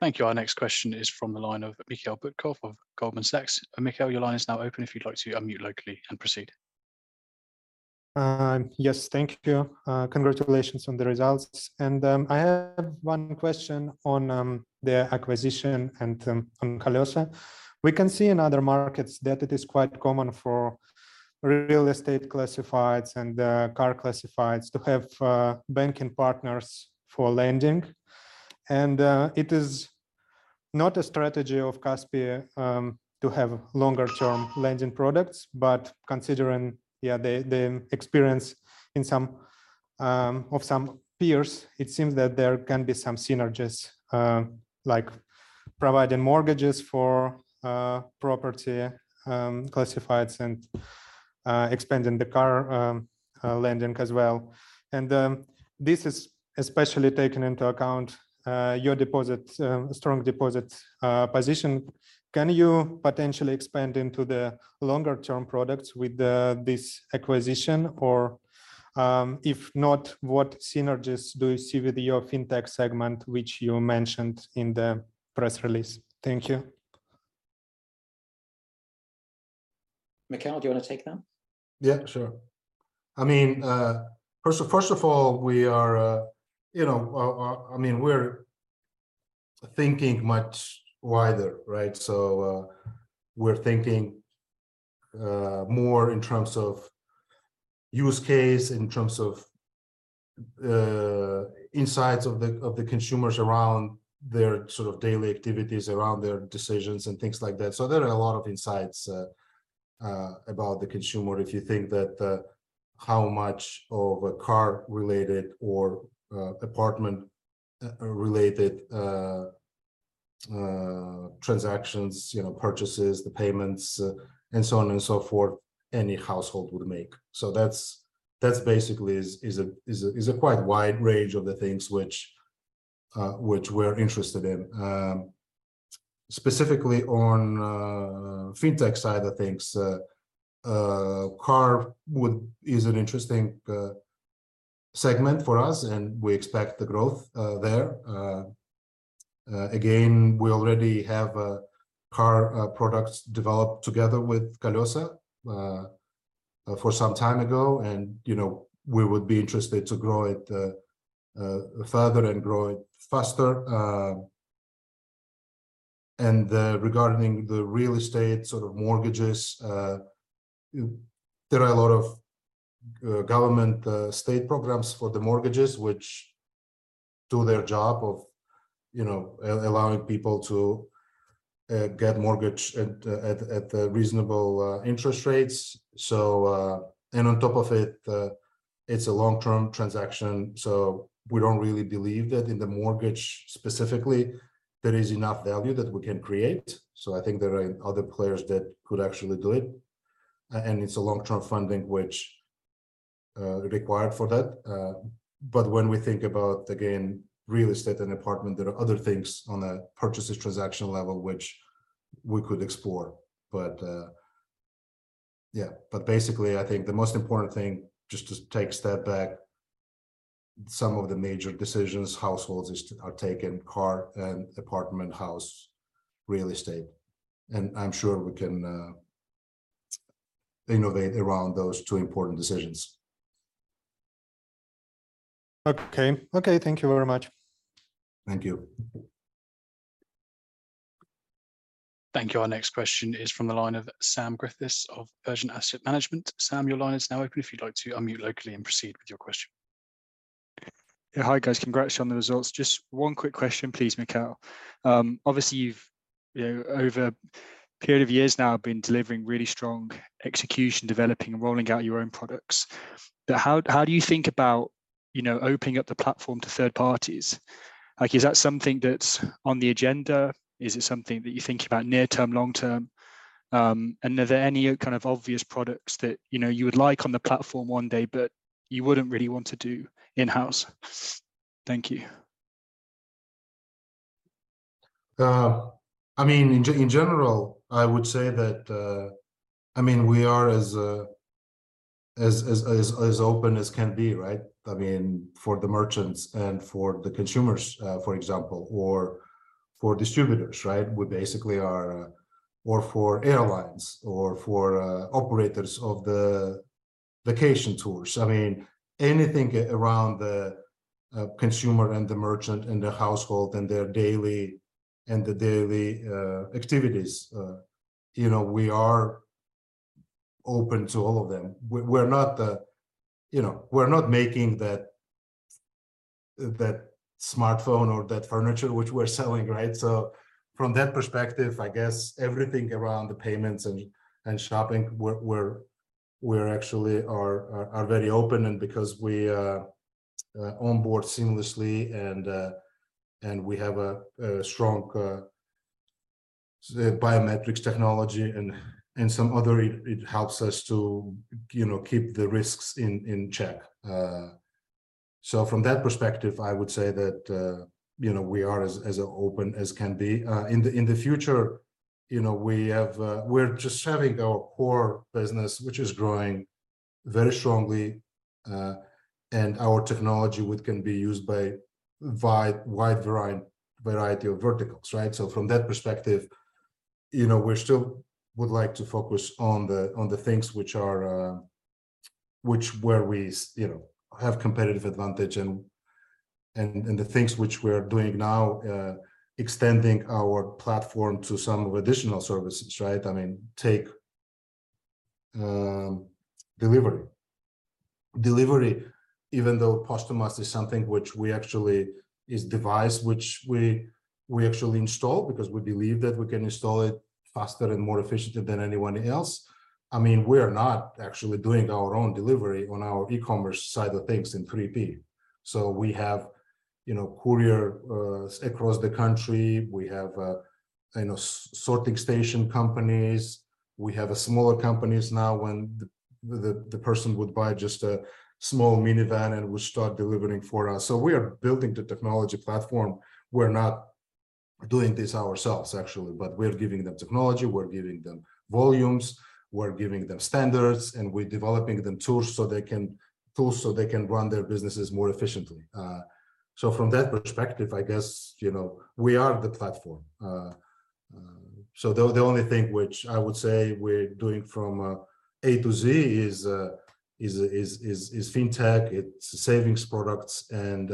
David. Thank you. Our next question is from the line of Mikhail Butkov of Goldman Sachs. Mikhail, your line is now open if you'd like to unmute locally and proceed. Yes, thank you. Congratulations on the results. I have one question on the acquisition and on Kolesa. We can see in other markets that it is quite common for real estate classifieds and car classifieds to have banking partners for lending. It is not a strategy of Kaspi to have longer-term lending products, but considering, yeah, the experience in some of some peers, it seems that there can be some synergies, like providing mortgages for property classifieds, and expanding the car lending as well. This is especially taken into account your deposit, strong deposit position. Can you potentially expand into the longer-term products with this acquisition? If not, what synergies do you see with your Fintech segment, which you mentioned in the press release? Thank you. Mikheil, do you want to take that? Yeah, sure. I mean, first of all, we are, you know, I mean, thinking much wider, right? We're thinking more in terms of use case, in terms of insights of the consumers around their sort of daily activities, around their decisions, and things like that. There are a lot of insights about the consumer, if you think that how much of a car-related or apartment-related transactions, you know, purchases, the payments, and so on and so forth, any household would make. That's basically is a quite wide range of the things which we're interested in. Specifically on Fintech side of things, car is an interesting segment for us, and we expect the growth there. Again, we already have car products developed together with Kolesa for some time ago and, you know, we would be interested to grow it further and grow it faster. Regarding the real estate sort of mortgages, there are a lot of government state programs for the mortgages, which do their job of, you know, allowing people to get mortgage at a reasonable interest rates. On top of it's a long-term transaction, so we don't really believe that in the mortgage specifically, there is enough value that we can create. I think there are other players that could actually do it, and it's a long-term funding which required for that. When we think about, again, real estate and apartment, there are other things on a purchases transaction level which we could explore. Basically, I think the most important thing, just to take a step back, some of the major decisions households are taking, car and apartment, house, real estate, and I'm sure we can innovate around those two important decisions. Okay. Okay, thank you very much. Thank you. Thank you. Our next question is from the line of Sam Griffiths of Vergent Asset Management. Sam, your line is now open if you'd like to unmute locally and proceed with your question. Yeah, hi, guys. Congrats on the results. Just one quick question, please, Mikheil. Obviously you've, you know, over a period of years now, been delivering really strong execution, developing and rolling out your own products. How do you think about, you know, opening up the platform to third parties? Like, is that something that's on the agenda? Is it something that you're thinking about near term, long term? Are there any kind of obvious products that, you know, you would like on the platform one day, but you wouldn't really want to do in-house? Thank you. I mean, in general, I would say that, I mean, we are as open as can be, right? I mean, for the merchants and for the consumers, for example, or for distributors, right? We basically are... Or for airlines, or for operators of the vacation tours. I mean, anything around the consumer and the merchant and the household and their daily, and the daily activities, you know, we are open to all of them. We're not the, you know, we're not making that smartphone or that furniture which we're selling, right? From that perspective, I guess everything around the payments and shopping, we're actually are very open, because we are on board seamlessly and we have a strong biometrics technology and some other, it helps us to, you know, keep the risks in check. From that perspective, I would say that, you know, we are as open as can be. In the future, you know, we're just having our core business, which is growing very strongly, and our technology, which can be used by wide variety of verticals, right? From that perspective, you know, we're still would like to focus on the things which are, which where we you know, have competitive advantage and the things which we are doing now, extending our platform to some additional services, right? I mean, take delivery. Delivery, even though Postomats is something which we actually, is device which we actually install because we believe that we can install it faster and more efficiently than anyone else. I mean, we're not actually doing our own delivery on our e-commerce side of things in 3P. We have, you know, courier across the country. We have, you know, sorting station companies. We have a smaller companies now when the person would buy just a small minivan and would start delivering for us. We are building the technology platform. We're not doing this ourselves, actually, but we're giving them technology, we're giving them volumes, we're giving them standards, and we're developing them tools so they can run their businesses more efficiently. From that perspective, I guess, you know, we are the platform. The only thing which I would say we're doing from A to Z is Fintech, it's savings products, and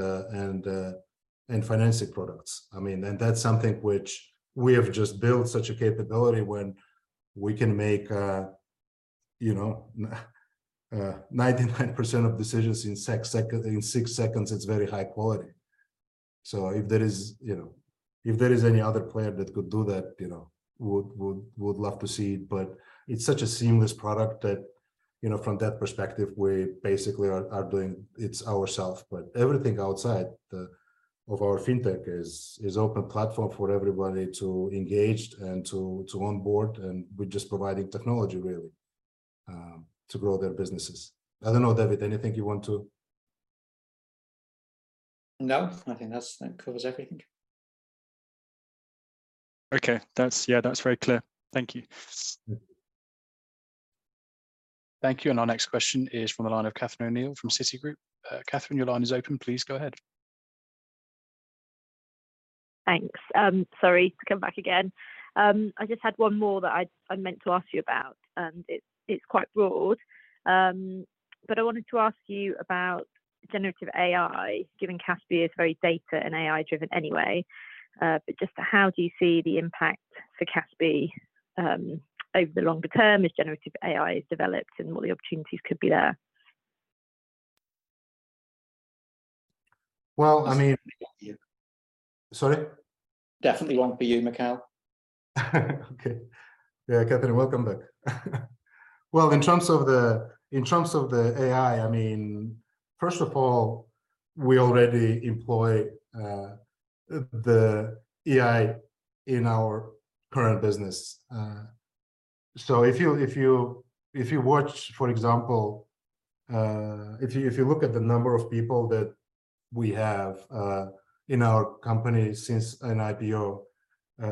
financing products. I mean, that's something which we have just built such a capability when we can make, you know, 99% of decisions in six seconds, it's very high quality. If there is, you know, if there is any other player that could do that, you know, would love to see it. It's such a seamless product that, you know, from that perspective, we basically are doing it's ourself. Everything outside of our Fintech is open platform for everybody to engage and to onboard, and we're just providing technology really, to grow their businesses. I don't know, David, anything you want to? No, I think that's, that covers everything. Okay. That's, yeah, that's very clear. Thank you. Yeah. Thank you. Our next question is from the line of Catherine O'Neill from Citigroup. Catherine, your line is open. Please go ahead. Thanks. Sorry to come back again. I just had one more that I meant to ask you about, and it's quite broad. I wanted to ask you about generative AI, given Kaspi is very data and AI-driven anyway. Just how do you see the impact for Kaspi over the longer term as generative AI is developed and what the opportunities could be there? Well, I mean. ... Sorry? Definitely one for you, Mikheil. Okay. Yeah, Catherine, welcome back. Well, in terms of the AI, I mean, first of all, we already employ the AI in our current business. If you watch, for example. If you look at the number of people that we have in our company since an IPO,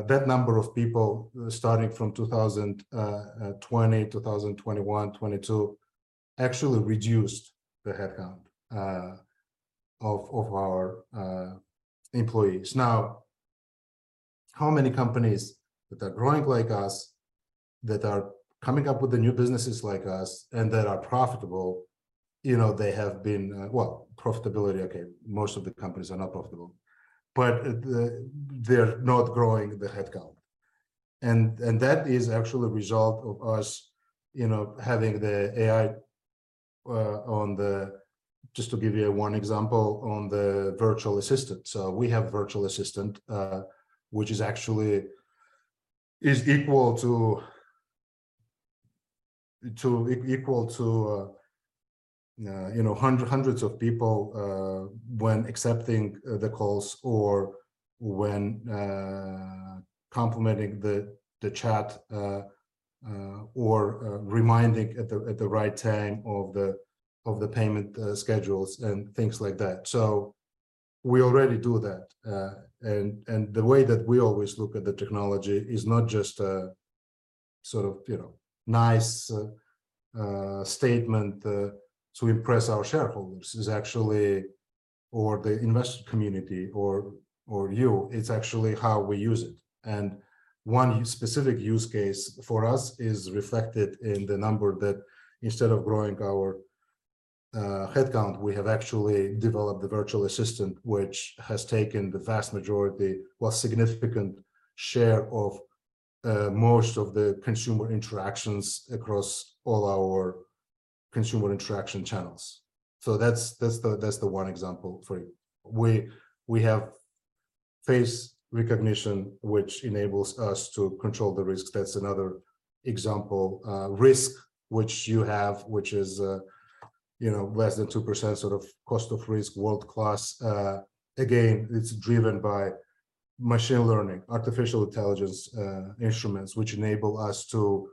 that number of people starting from 2020, 2021, 2022, actually reduced the headcount of our employees. Now, how many companies that are growing like us, that are coming up with the new businesses like us, and that are profitable, you know, well, profitability, okay, most of the companies are not profitable, but they're not growing the headcount. That is actually a result of us, you know, having the AI just to give you one example, on the virtual assistant. We have virtual assistant, which is actually equal to, you know, hundreds of people when accepting the calls or when complimenting the chat, or reminding at the right time of the payment schedules and things like that. We already do that. The way that we always look at the technology is not just a sort of, you know, nice statement to impress our shareholders, is actually, or the investment community, or you, it's actually how we use it. One specific use case for us is reflected in the number that instead of growing our headcount, we have actually developed the virtual assistant, which has taken the vast majority, while significant share of most of the consumer interactions across all our consumer interaction channels. That's the one example for you. We have face recognition, which enables us to control the risks. That's another example. Risk, which you have, which is, you know, less than 2% sort of cost of risk, world-class. Again, it's driven by machine learning, artificial intelligence, instruments, which enable us to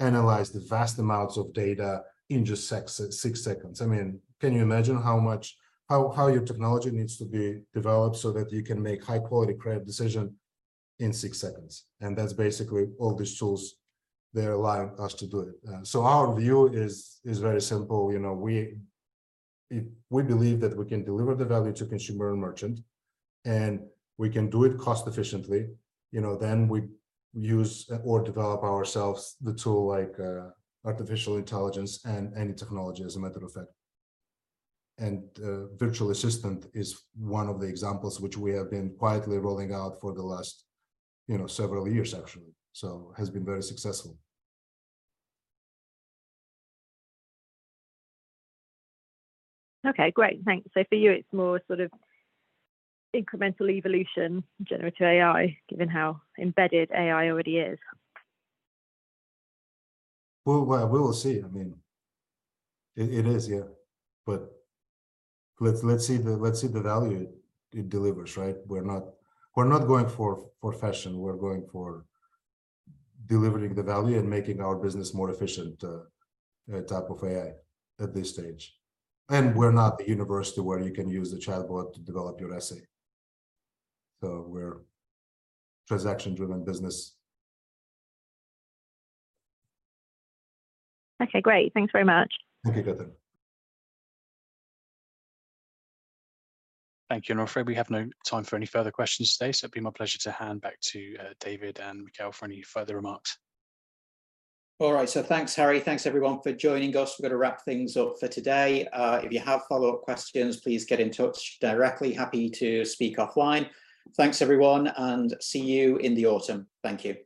analyze the vast amounts of data in just six seconds. I mean, can you imagine how much, how your technology needs to be developed so that you can make high-quality credit decision in six seconds? That's basically all these tools, they're allowing us to do it. Our view is very simple. You know, we believe that we can deliver the value to consumer and merchant, and we can do it cost efficiently. You know, we use or develop ourselves the tool like artificial intelligence and any technology, as a matter of fact. Virtual assistant is one of the examples which we have been quietly rolling out for the last, you know, several years actually. Has been very successful. Okay, great. Thanks. For you, it's more sort of incremental evolution, generative AI, given how embedded AI already is? Well, we will see. I mean, it is, yeah. Let's see the value it delivers, right? We're not going for fashion. We're going for delivering the value and making our business more efficient type of AI at this stage. We're not a university where you can use the chatbot to develop your essay. We're transaction-driven business. Okay, great. Thanks very much. Thank you, Catherine. Thank you. I'm afraid we have no time for any further questions today. It'd be my pleasure to hand back to David and Mikheil for any further remarks. All right, thanks, Harry. Thanks everyone for joining us. We're gonna wrap things up for today. If you have follow-up questions, please get in touch directly. Happy to speak offline. Thanks everyone, see you in the autumn. Thank you.